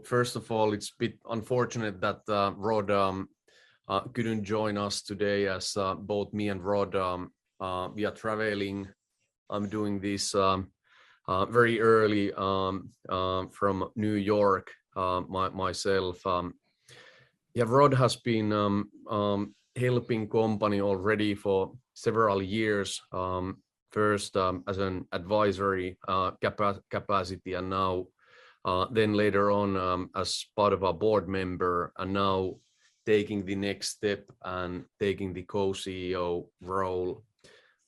First of all, it's a bit unfortunate that Rod couldn't join us today as both me and Rod we are traveling. I'm doing this very early from New York myself. Yeah, Rod has been helping company already for several years, first as an advisory capacity and then later on as a board member and now taking the next step and taking the co-CEO role.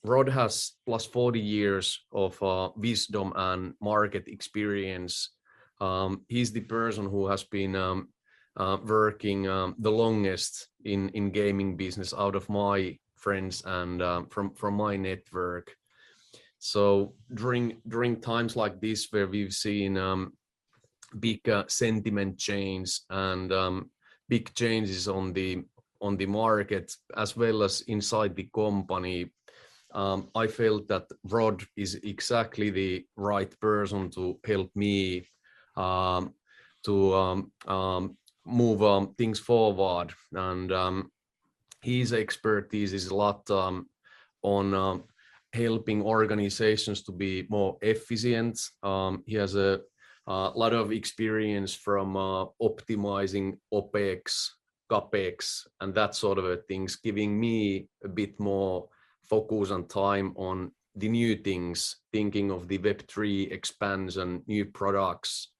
Rod has +40 years of wisdom and market experience. He's the person who has been working the longest in gaming business out of my friends and from my network. During times like this where we've seen big sentiment change and big changes on the market as well as inside the company, I feel that Rod is exactly the right person to help me to move things forward. His expertise is a lot on helping organizations to be more efficient. He has a lot of experience from optimizing OpEx, CapEx, and that sort of things, giving me a bit more focus and time on the new things, thinking of the Web3 expansion, new products,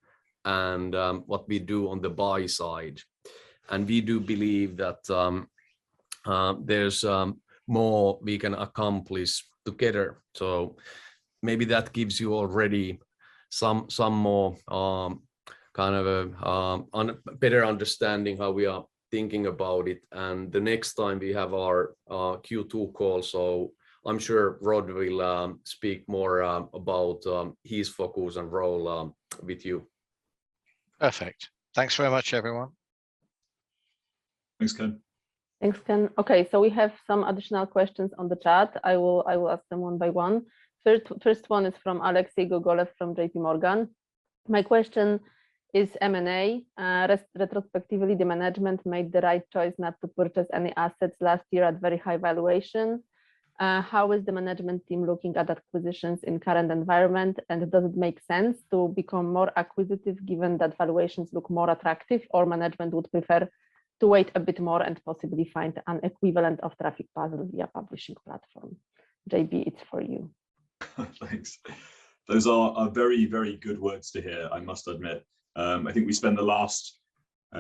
and what we do on the buy side. We do believe that there's more we can accomplish together. Maybe that gives you already some more kind of a better understanding how we are thinking about it and the next time we have our Q2 call. I'm sure Rod will speak more about his focus and role with you. Perfect. Thanks very much, everyone. Thanks, Ken. Thanks, Ken. Okay, so we have some additional questions on the chat. I will ask them one by one. First one is from Alexei Gogolev from J.P. Morgan. My question is M&A. Retrospectively, the management made the right choice not to purchase any assets last year at very high valuation. How is the management team looking at acquisitions in current environment? And does it make sense to become more acquisitive given that valuations look more attractive, or management would prefer to wait a bit more and possibly find an equivalent of Traffic Puzzle via publishing platform? JB, it's for you. Thanks. Those are very, very good words to hear, I must admit. I think we spent the last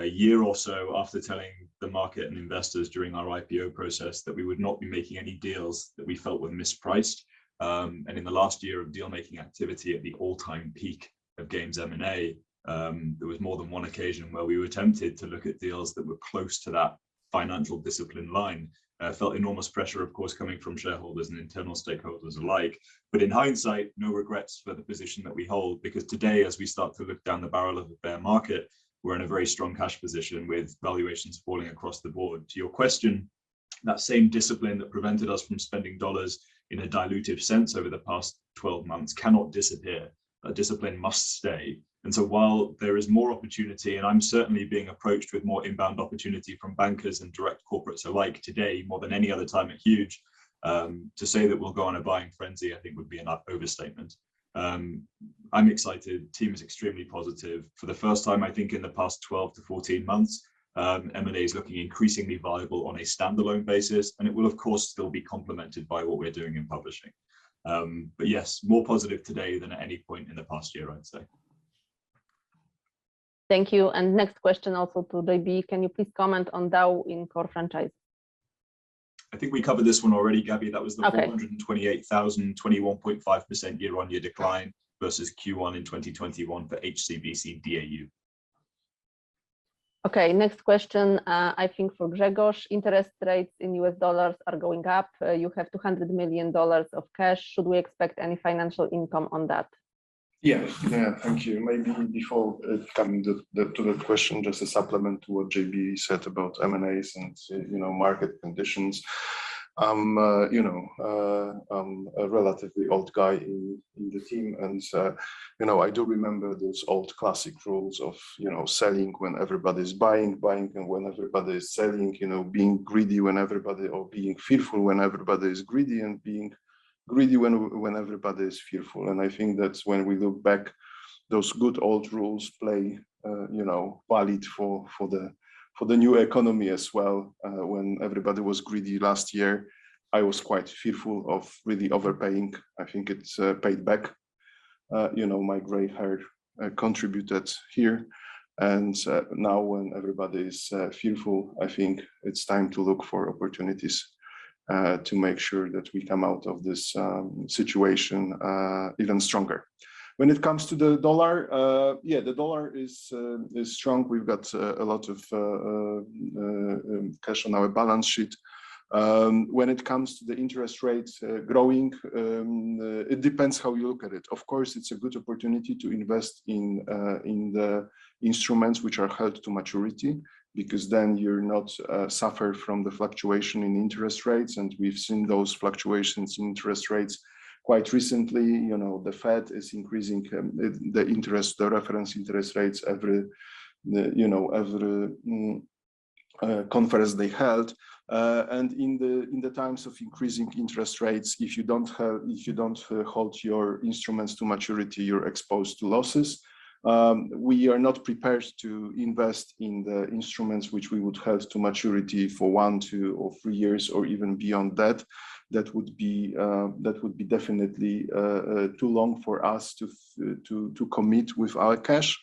year or so after telling the market and investors during our IPO process that we would not be making any deals that we felt were mispriced. In the last year of deal-making activity at the all-time peak of games M&A, there was more than one occasion where we were tempted to look at deals that were close to that financial discipline line. Felt enormous pressure, of course, coming from shareholders and internal stakeholders alike. In hindsight, no regrets for the position that we hold because today, as we start to look down the barrel of a bear market, we're in a very strong cash position with valuations falling across the board. To your question, that same discipline that prevented us from spending dollars in a dilutive sense over the past 12 months cannot disappear. That discipline must stay. While there is more opportunity, and I'm certainly being approached with more inbound opportunity from bankers and direct corporates alike today more than any other time at Huuuge, to say that we'll go on a buying frenzy, I think would be an overstatement. I'm excited. Team is extremely positive. For the first time, I think, in the past 12 to 14 months, M&A is looking increasingly viable on a standalone basis, and it will of course still be complemented by what we're doing in publishing. Yes, more positive today than at any point in the past year, I'd say. Thank you. Next question also to J.B. Can you please comment on DAU in core franchise? I think we covered this one already, Gabi. Okay 428,000, 21.5% year-on-year decline versus Q1 in 2021 for HCBC DAU. Okay, next question, I think for Grzegorz. Interest rates in U.S. dollars are going up. You have $200 million of cash. Should we expect any financial income on that? Yes. Yeah. Thank you. Maybe before coming to the question, just a supplement to what JB said about M&As and, you know, market conditions. You know, I'm a relatively old guy in the team and, you know, I do remember those old classic rules of, you know, selling when everybody's buying and when everybody is selling. You know, being greedy when everybody or being fearful when everybody is greedy, and being greedy when everybody is fearful. I think that when we look back Those good old rules apply, you know, valid for the new economy as well. When everybody was greedy last year, I was quite fearful of really overpaying. I think it's paid back. You know, my gray hair contributed here, and so now when everybody's fearful, I think it's time to look for opportunities to make sure that we come out of this situation even stronger. When it comes to the dollar, the dollar is strong. We've got a lot of cash on our balance sheet. When it comes to the interest rates growing, it depends how you look at it. Of course it's a good opportunity to invest in the instruments which are held to maturity because then you're not suffer from the fluctuation in interest rates, and we've seen those fluctuations in interest rates quite recently. You know, the Fed is increasing the interest, the reference interest rates every conference they held. In the times of increasing interest rates, if you don't hold your instruments to maturity, you're exposed to losses. We are not prepared to invest in the instruments which we would held to maturity for one, two, or three years, or even beyond that. That would be definitely too long for us to commit with our cash.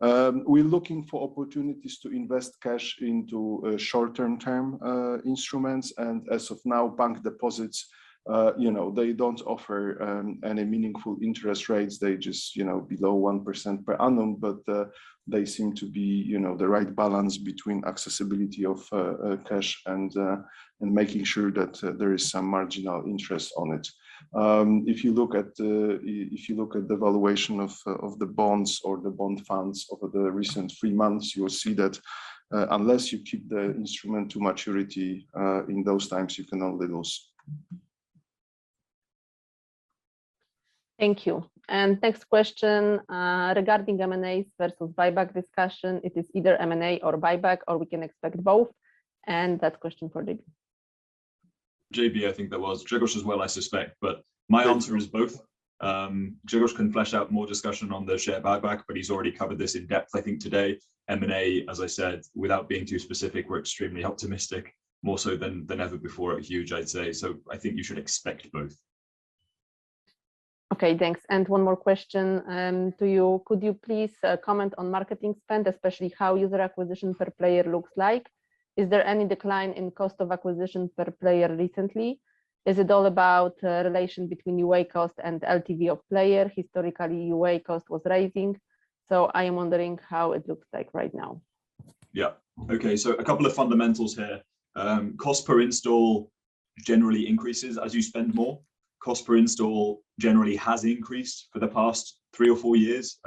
We're looking for opportunities to invest cash into short-term instruments, and as of now, bank deposits, you know, they don't offer any meaningful interest rates. They just, you know, below 1% per annum, but they seem to be, you know, the right balance between accessibility of cash and making sure that there is some marginal interest on it. If you look at the valuation of the bonds or the bond funds over the recent three months, you will see that, unless you keep the instrument to maturity, in those times you can only lose. Thank you. Next question, regarding M&As versus buyback discussion, it is either M&A or buyback or we can expect both? That question for Dig. JB, I think that was. Grzegorz as well, I suspect, but my answer is both. Grzegorz can flesh out more discussion on the share buyback, but he's already covered this in depth I think today. M&A, as I said, without being too specific, we're extremely optimistic, more so than ever before at Huuuge I'd say, I think you should expect both. Okay, thanks. One more question to you. Could you please comment on marketing spend, especially how user acquisition per player looks like? Is there any decline in cost of acquisition per player recently? Is it all about relation between UA cost and LTV of player? Historically, UA cost was rising, so I am wondering how it looks like right now. Yeah. Okay, a couple of fundamentals here. Cost per install generally increases as you spend more. Cost per install generally has increased for the past three or four years,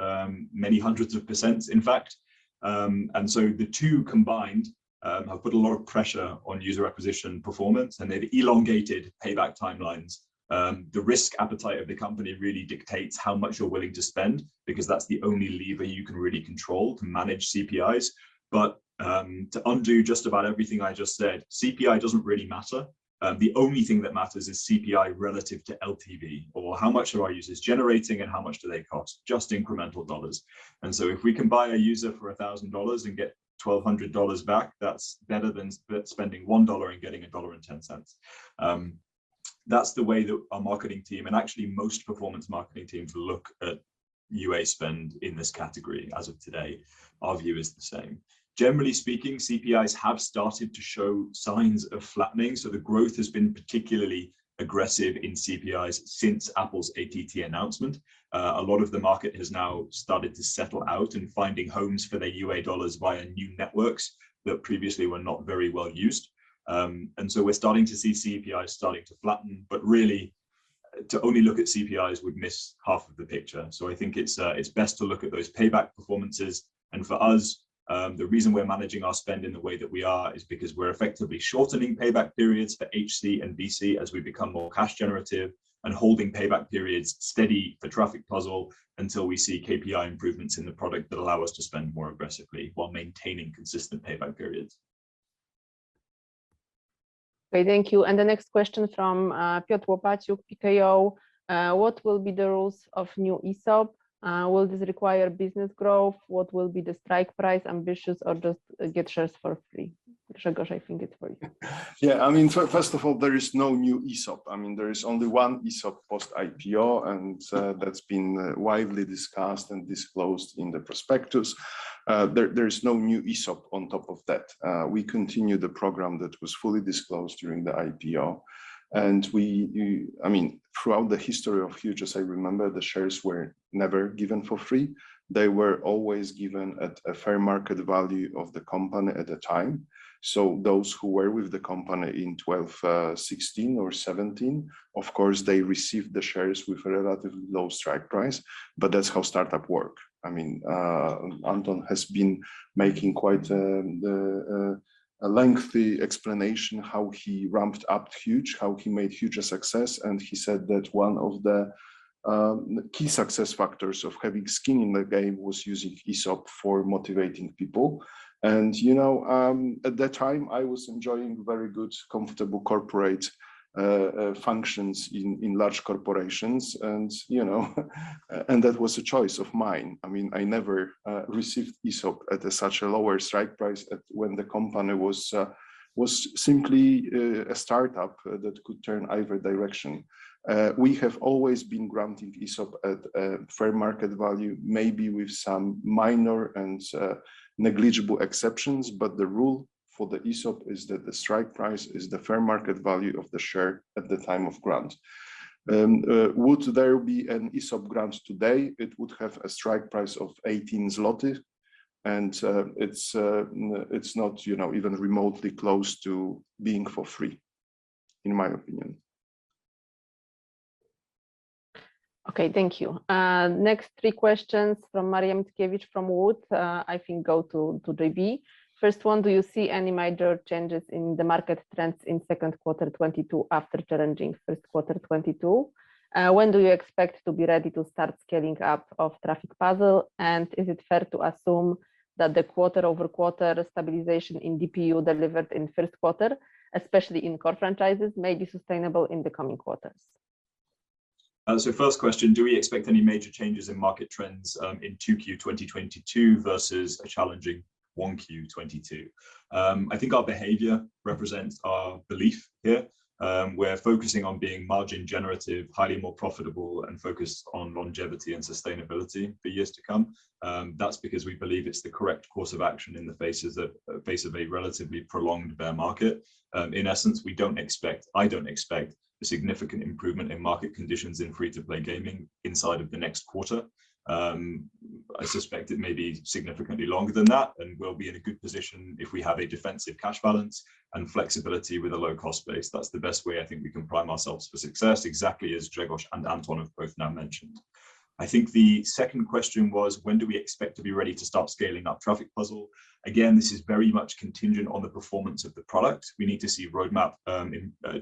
many hundreds of percent, in fact. The two combined have put a lot of pressure on user acquisition performance, and they've elongated payback timelines. The risk appetite of the company really dictates how much you're willing to spend because that's the only lever you can really control to manage CPIs. But, to undo just about everything I just said, CPI doesn't really matter. The only thing that matters is CPI relative to LTV or how much are our users generating and how much do they cost, just incremental dollars. If we can buy a user for $1,000 and get $1,200 back, that's better than spending $1 and getting $1 and $0.10. That's the way that our marketing team, and actually most performance marketing teams, look at UA spend in this category as of today. Our view is the same. Generally speaking, CPIs have started to show signs of flattening, so the growth has been particularly aggressive in CPIs since Apple's ATT announcement. A lot of the market has now started to settle out in finding homes for their UA dollars via new networks that previously were not very well used. We're starting to see CPIs starting to flatten, but really to only look at CPIs would miss half of the picture, so I think it's best to look at those payback performances. For us, the reason we're managing our spend in the way that we are is because we're effectively shortening payback periods for HC and BC as we become more cash generative and holding payback periods steady for Traffic Puzzle until we see KPI improvements in the product that allow us to spend more aggressively while maintaining consistent payback periods. Okay, thank you. The next question from Piotr Łopaciuk, PKO. What will be the rules of new ESOP? Will this require business growth? What will be the strike price, ambitious or just get shares for free? Grzegorz, I think it's for you. Yeah, I mean, first of all, there is no new ESOP. I mean, there is only one ESOP post IPO, and that's been widely discussed and disclosed in the prospectus. There is no new ESOP on top of that. We continue the program that was fully disclosed during the IPO, and I mean, throughout the history of Huuuge, as I remember, the shares were never given for free. They were always given at a fair market value of the company at the time. Those who were with the company in 2012, 2016 or 2017, of course they received the shares with a relatively low strike price, but that's how startups work. I mean, Anton has been making quite a lengthy explanation how he ramped up Huuuge, how he made Huuuge a success, and he said that one of the key success factors of having skin in the game was using ESOP for motivating people. You know, at that time I was enjoying very good, comfortable corporate functions in large corporations and that was a choice of mine. I mean, I never received ESOP at a such a lower strike price at when the company was simply a startup that could turn either direction. We have always been granting ESOP at a fair market value, maybe with some minor and negligible exceptions, but the rule for the ESOP is that the strike price is the fair market value of the share at the time of grant. Would there be an ESOP grant today? It would have a strike price of 18 zloty, and it's not, you know, even remotely close to being for free, in my opinion. Okay, thank you. Next three questions from Mariam Tskvitaria from Wood & Company, I think go to JB. First one, do you see any major changes in the market trends in second quarter 2022 after challenging first quarter 2022? When do you expect to be ready to start scaling up of Traffic Puzzle? And is it fair to assume that the quarter-over-quarter stabilization in DPU delivered in first quarter, especially in core franchises, may be sustainable in the coming quarters? First question, do we expect any major changes in market trends in 2Q 2022 versus a challenging 1Q 2022? I think our behavior represents our belief here. We're focusing on being margin generative, highly more profitable, and focused on longevity and sustainability for years to come. That's because we believe it's the correct course of action in the face of a relatively prolonged bear market. In essence, I don't expect a significant improvement in market conditions in free-to-play gaming inside of the next quarter. I suspect it may be significantly longer than that, and we'll be in a good position if we have a defensive cash balance and flexibility with a low-cost base. That's the best way I think we can prime ourselves for success, exactly as Grzegorz and Anton have both now mentioned. I think the second question was, when do we expect to be ready to start scaling up Traffic Puzzle? Again, this is very much contingent on the performance of the product. We need to see roadmap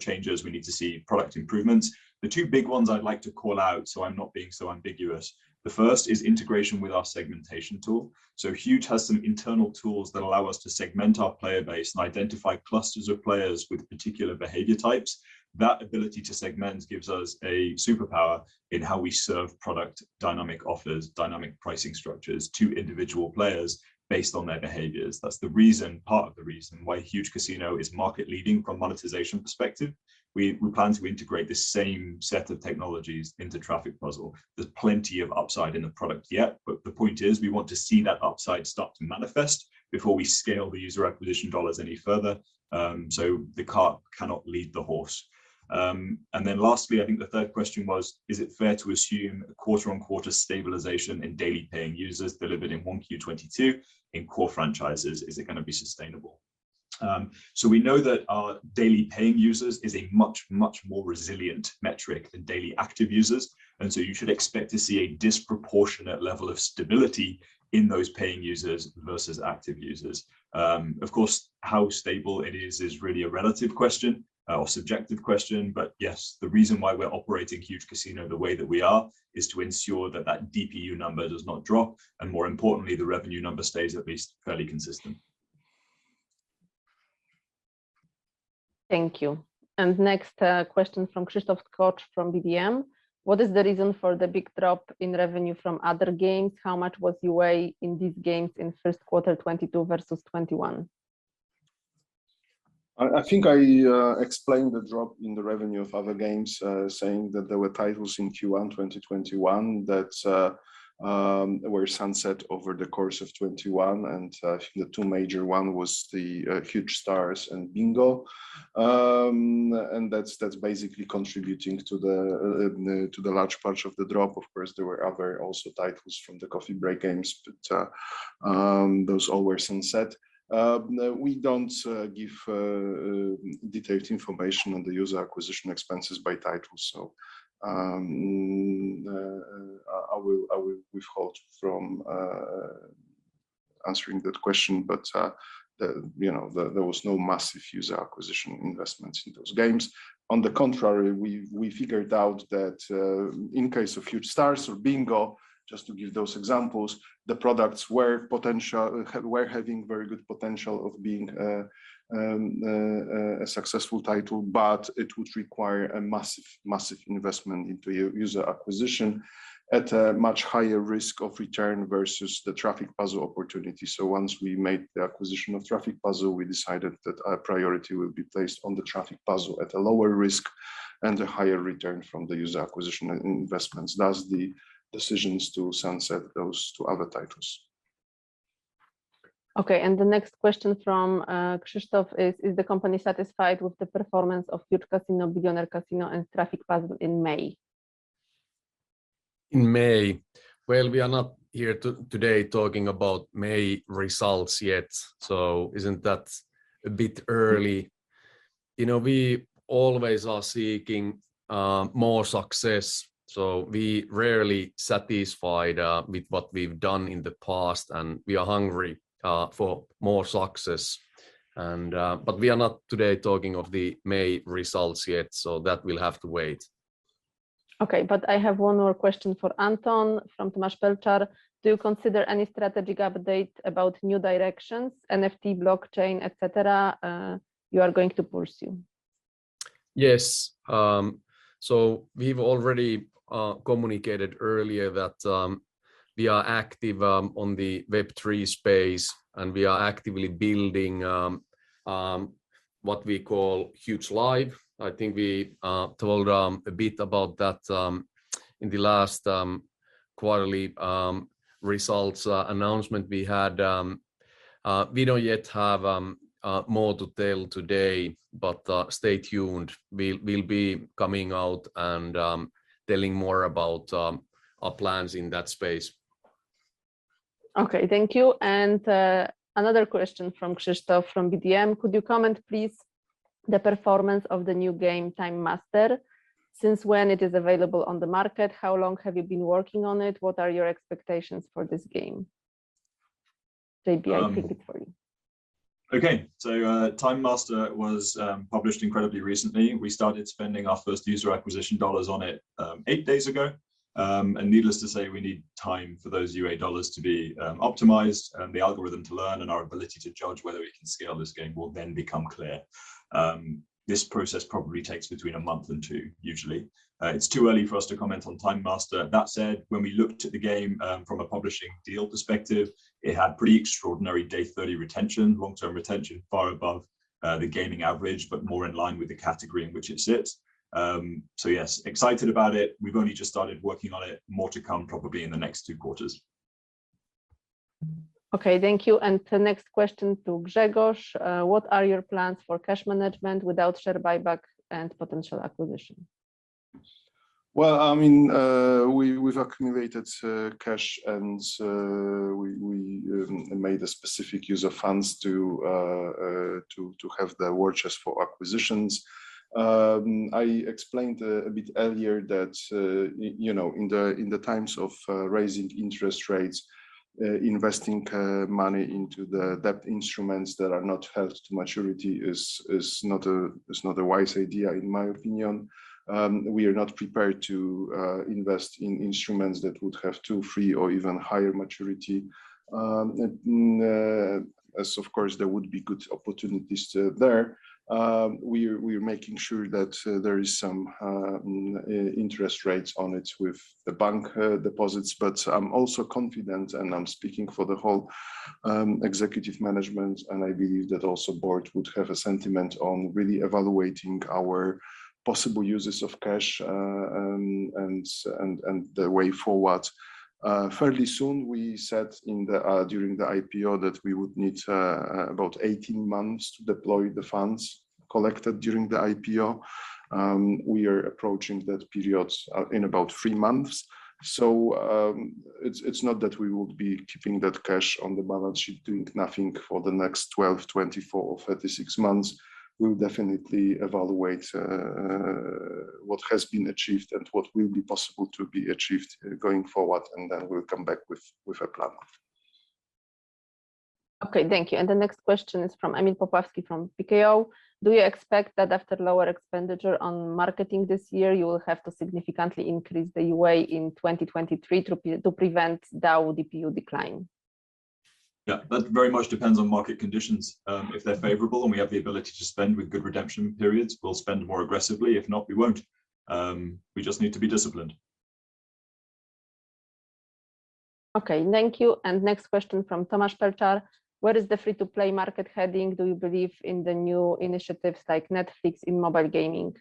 changes. We need to see product improvements. The two big ones I'd like to call out so I'm not being so ambiguous, the first is integration with our segmentation tool. So Huuuge has some internal tools that allow us to segment our player base and identify clusters of players with particular behavior types. That ability to segment gives us a superpower in how we serve product dynamic offers, dynamic pricing structures to individual players based on their behaviors. That's the reason, part of the reason, why Huuuge Casino is market-leading from monetization perspective. We plan to integrate the same set of technologies into Traffic Puzzle. There's plenty of upside in the product yet, but the point is we want to see that upside start to manifest before we scale the user acquisition dollars any further, so the cart cannot lead the horse. Lastly, I think the third question was, is it fair to assume a quarter-on-quarter stabilization in daily paying users delivered in 1Q 2022 in core franchises? Is it gonna be sustainable? We know that our daily paying users is a much, much more resilient metric than daily active users, and so you should expect to see a disproportionate level of stability in those paying users versus active users. Of course, how stable it is is really a relative question or subjective question, but yes, the reason why we're operating Huuuge Casino the way that we are is to ensure that that DPU number does not drop, and more importantly, the revenue number stays at least fairly consistent. Thank you. Next, question from Krzysztof Skoczylas from BDM. What is the reason for the big drop in revenue from other games? How much was your WAU in these games in first quarter 2022 versus 2021? I think I explained the drop in the revenue of other games, saying that there were titles in Q1 2021 that were sunset over the course of 2021, and the two major one was the Huuuge Stars and Bingo. That's basically contributing to the large part of the drop. Of course, there were other also titles from the Coffee Break Games, but those all were sunset. We don't give detailed information on the user acquisition expenses by title, so I will withhold from answering that question. You know, there was no massive user acquisition investments in those games. On the contrary, we figured out that in case of Huuuge Stars or Bingo, just to give those examples, the products were having very good potential of being a successful title, but it would require a massive investment into user acquisition at a much higher risk of return versus the Traffic Puzzle opportunity. Once we made the acquisition of Traffic Puzzle, we decided that our priority would be placed on the Traffic Puzzle at a lower risk and a higher return from the user acquisition investments. Thus, the decisions to sunset those two other titles. Okay, the next question from Krzysztof is the company satisfied with the performance of Huuuge Casino, Billionaire Casino, and Traffic Puzzle in May? In May. Well, we are not here today talking about May results yet, so isn't that a bit early? You know, we always are seeking more success, so we rarely satisfied with what we've done in the past, and we are hungry for more success. We are not today talking of the May results yet, so that will have to wait. Okay, I have one more question for Anton from Tomasz Pełchar. Do you consider any strategic update about new directions, NFT, blockchain, et cetera, you are going to pursue? Yes. We've already communicated earlier that we are active on the Web3 space, and we are actively building what we call Huuuge Live. I think we told a bit about that in the last quarterly results announcement we had. We don't yet have more to tell today, but stay tuned. We'll be coming out and telling more about our plans in that space. Okay, thank you. Another question from Krzysztof from BDM. Could you comment please the performance of the new game, Time Master? Since when it is available on the market, how long have you been working on it? What are your expectations for this game? JB, I'll kick it for you. Okay. Time Master was published incredibly recently. We started spending our first user acquisition dollars on it eight days ago. Needless to say, we need time for those UA dollars to be optimized and the algorithm to learn, and our ability to judge whether we can scale this game will then become clear. This process probably takes between a month and two usually. It's too early for us to comment on Time Master. That said, when we looked at the game from a publishing deal perspective, it had pretty extraordinary day 30 retention, long-term retention, far above the gaming average, but more in line with the category in which it sits. Yes, excited about it. We've only just started working on it. More to come probably in the next two quarters. Okay, thank you. The next question to Grzegorz. What are your plans for cash management without share buyback and potential acquisition? I mean, we've accumulated cash, and we've made a specific use of funds to have the war chest for acquisitions. I explained a bit earlier that, you know, in the times of raising interest rates, investing money into the debt instruments that are not held to maturity is not a wise idea in my opinion. We are not prepared to invest in instruments that would have two, three, or even higher maturity. And of course, there would be good opportunities there. We're making sure that there is some interest rates on it with the bank deposits. I'm also confident, and I'm speaking for the whole executive management, and I believe that also board would have a sentiment on really evaluating our possible uses of cash, and the way forward. Fairly soon, we said during the IPO that we would need about 18 months to deploy the funds collected during the IPO. We are approaching that period in about 3 months. It's not that we would be keeping that cash on the balance sheet doing nothing for the next 12, 24 or 36 months. We'll definitely evaluate what has been achieved and what will be possible to be achieved going forward, and then we'll come back with a plan. Okay, thank you. The next question is from Emil Popławski from PKO BP. Do you expect that after lower expenditure on marketing this year, you will have to significantly increase the UA in 2023 to prevent DAU/DPU decline? Yeah, that very much depends on market conditions. If they're favorable and we have the ability to spend with good redemption periods, we'll spend more aggressively. If not, we won't. We just need to be disciplined. Okay, thank you. Next question. Where is the free-to-play market heading? Do you believe in the new initiatives like Netflix in mobile gaming?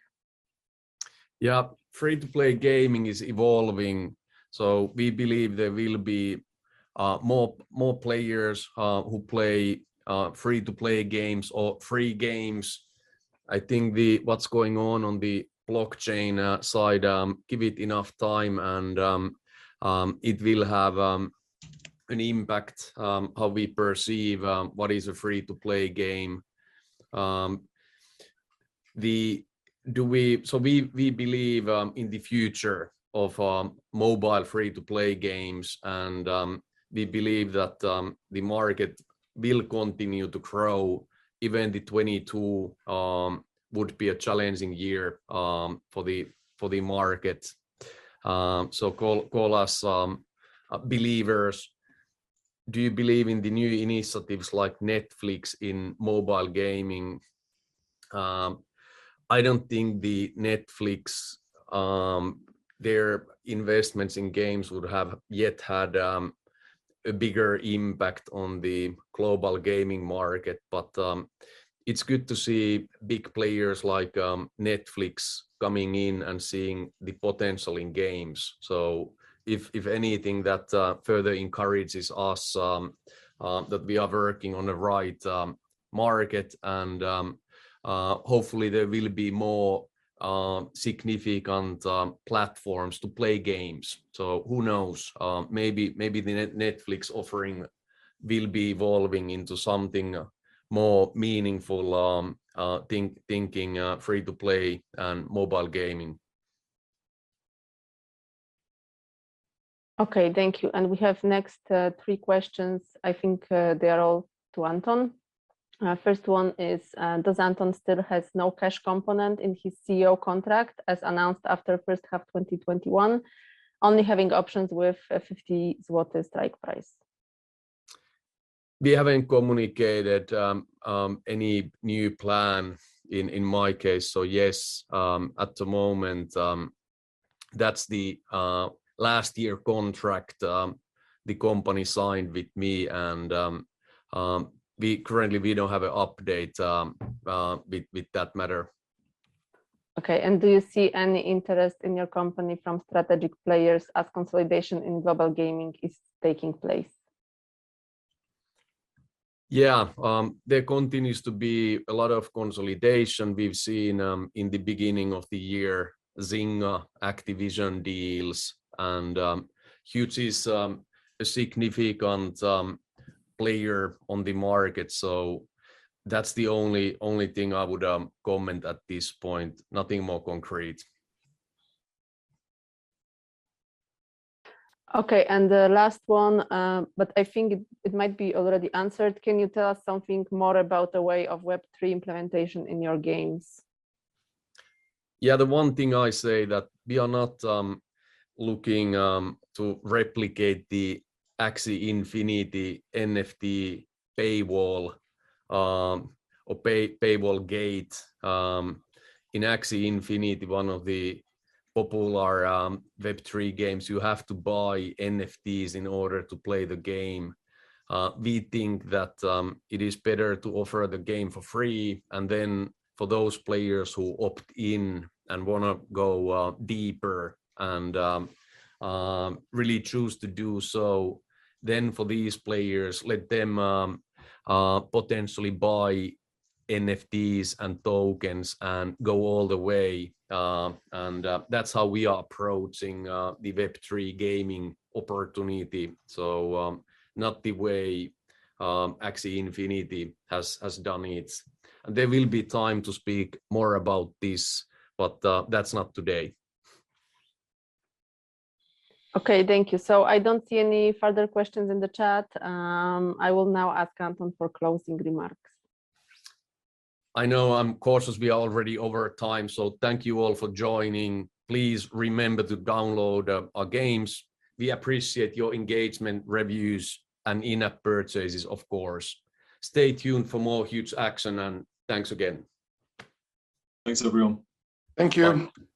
Yeah, free-to-play gaming is evolving. We believe there will be more players who play free-to-play games or free games. I think what's going on the blockchain side, give it enough time and it will have an impact how we perceive what is a free-to-play game. We believe in the future of mobile free-to-play games, and we believe that the market will continue to grow, even 2022 would be a challenging year for the market. Call us believers. Do you believe in the new initiatives like Netflix in mobile gaming? I don't think Netflix, their investments in games would have yet had a bigger impact on the global gaming market. It's good to see big players like Netflix coming in and seeing the potential in games. If anything, that further encourages us that we are working on the right market and hopefully there will be more significant platforms to play games. Who knows? Maybe the Netflix offering will be evolving into something more meaningful, thinking free-to-play and mobile gaming. Okay, thank you. We have next three questions. I think they are all to Anton. First one is, does Anton still has no cash component in his CEO contract as announced after first half 2021, only having options with a 50 zloty strike price? We haven't communicated any new plan in my case. Yes, at the moment, that's the last year contract the company signed with me, and we currently don't have an update with that matter. Okay. Do you see any interest in your company from strategic players as consolidation in global gaming is taking place? Yeah. There continues to be a lot of consolidation we've seen in the beginning of the year, Zynga, Activision deals, and Huuuge is a significant player on the market. That's the only thing I would comment at this point. Nothing more concrete. Okay. The last one, but I think it might be already answered. Can you tell us something more about the way of Web3 implementation in your games? Yeah. The one thing I say that we are not looking to replicate the Axie Infinity NFT paywall or paywall gate. In Axie Infinity, one of the popular Web3 games, you have to buy NFTs in order to play the game. We think that it is better to offer the game for free, and then for those players who opt in and wanna go deeper and really choose to do so, then for these players, let them potentially buy NFTs and tokens and go all the way. That's how we are approaching the Web3 gaming opportunity, so not the way Axie Infinity has done it. There will be time to speak more about this, but that's not today. Okay. Thank you. I don't see any further questions in the chat. I will now ask Anton for closing remarks. I know, I'm cautious. We are already over time, so thank you all for joining. Please remember to download our games. We appreciate your engagement, reviews, and in-app purchases of course. Stay tuned for more Huuuge action and thanks again. Thanks everyone. Thank you.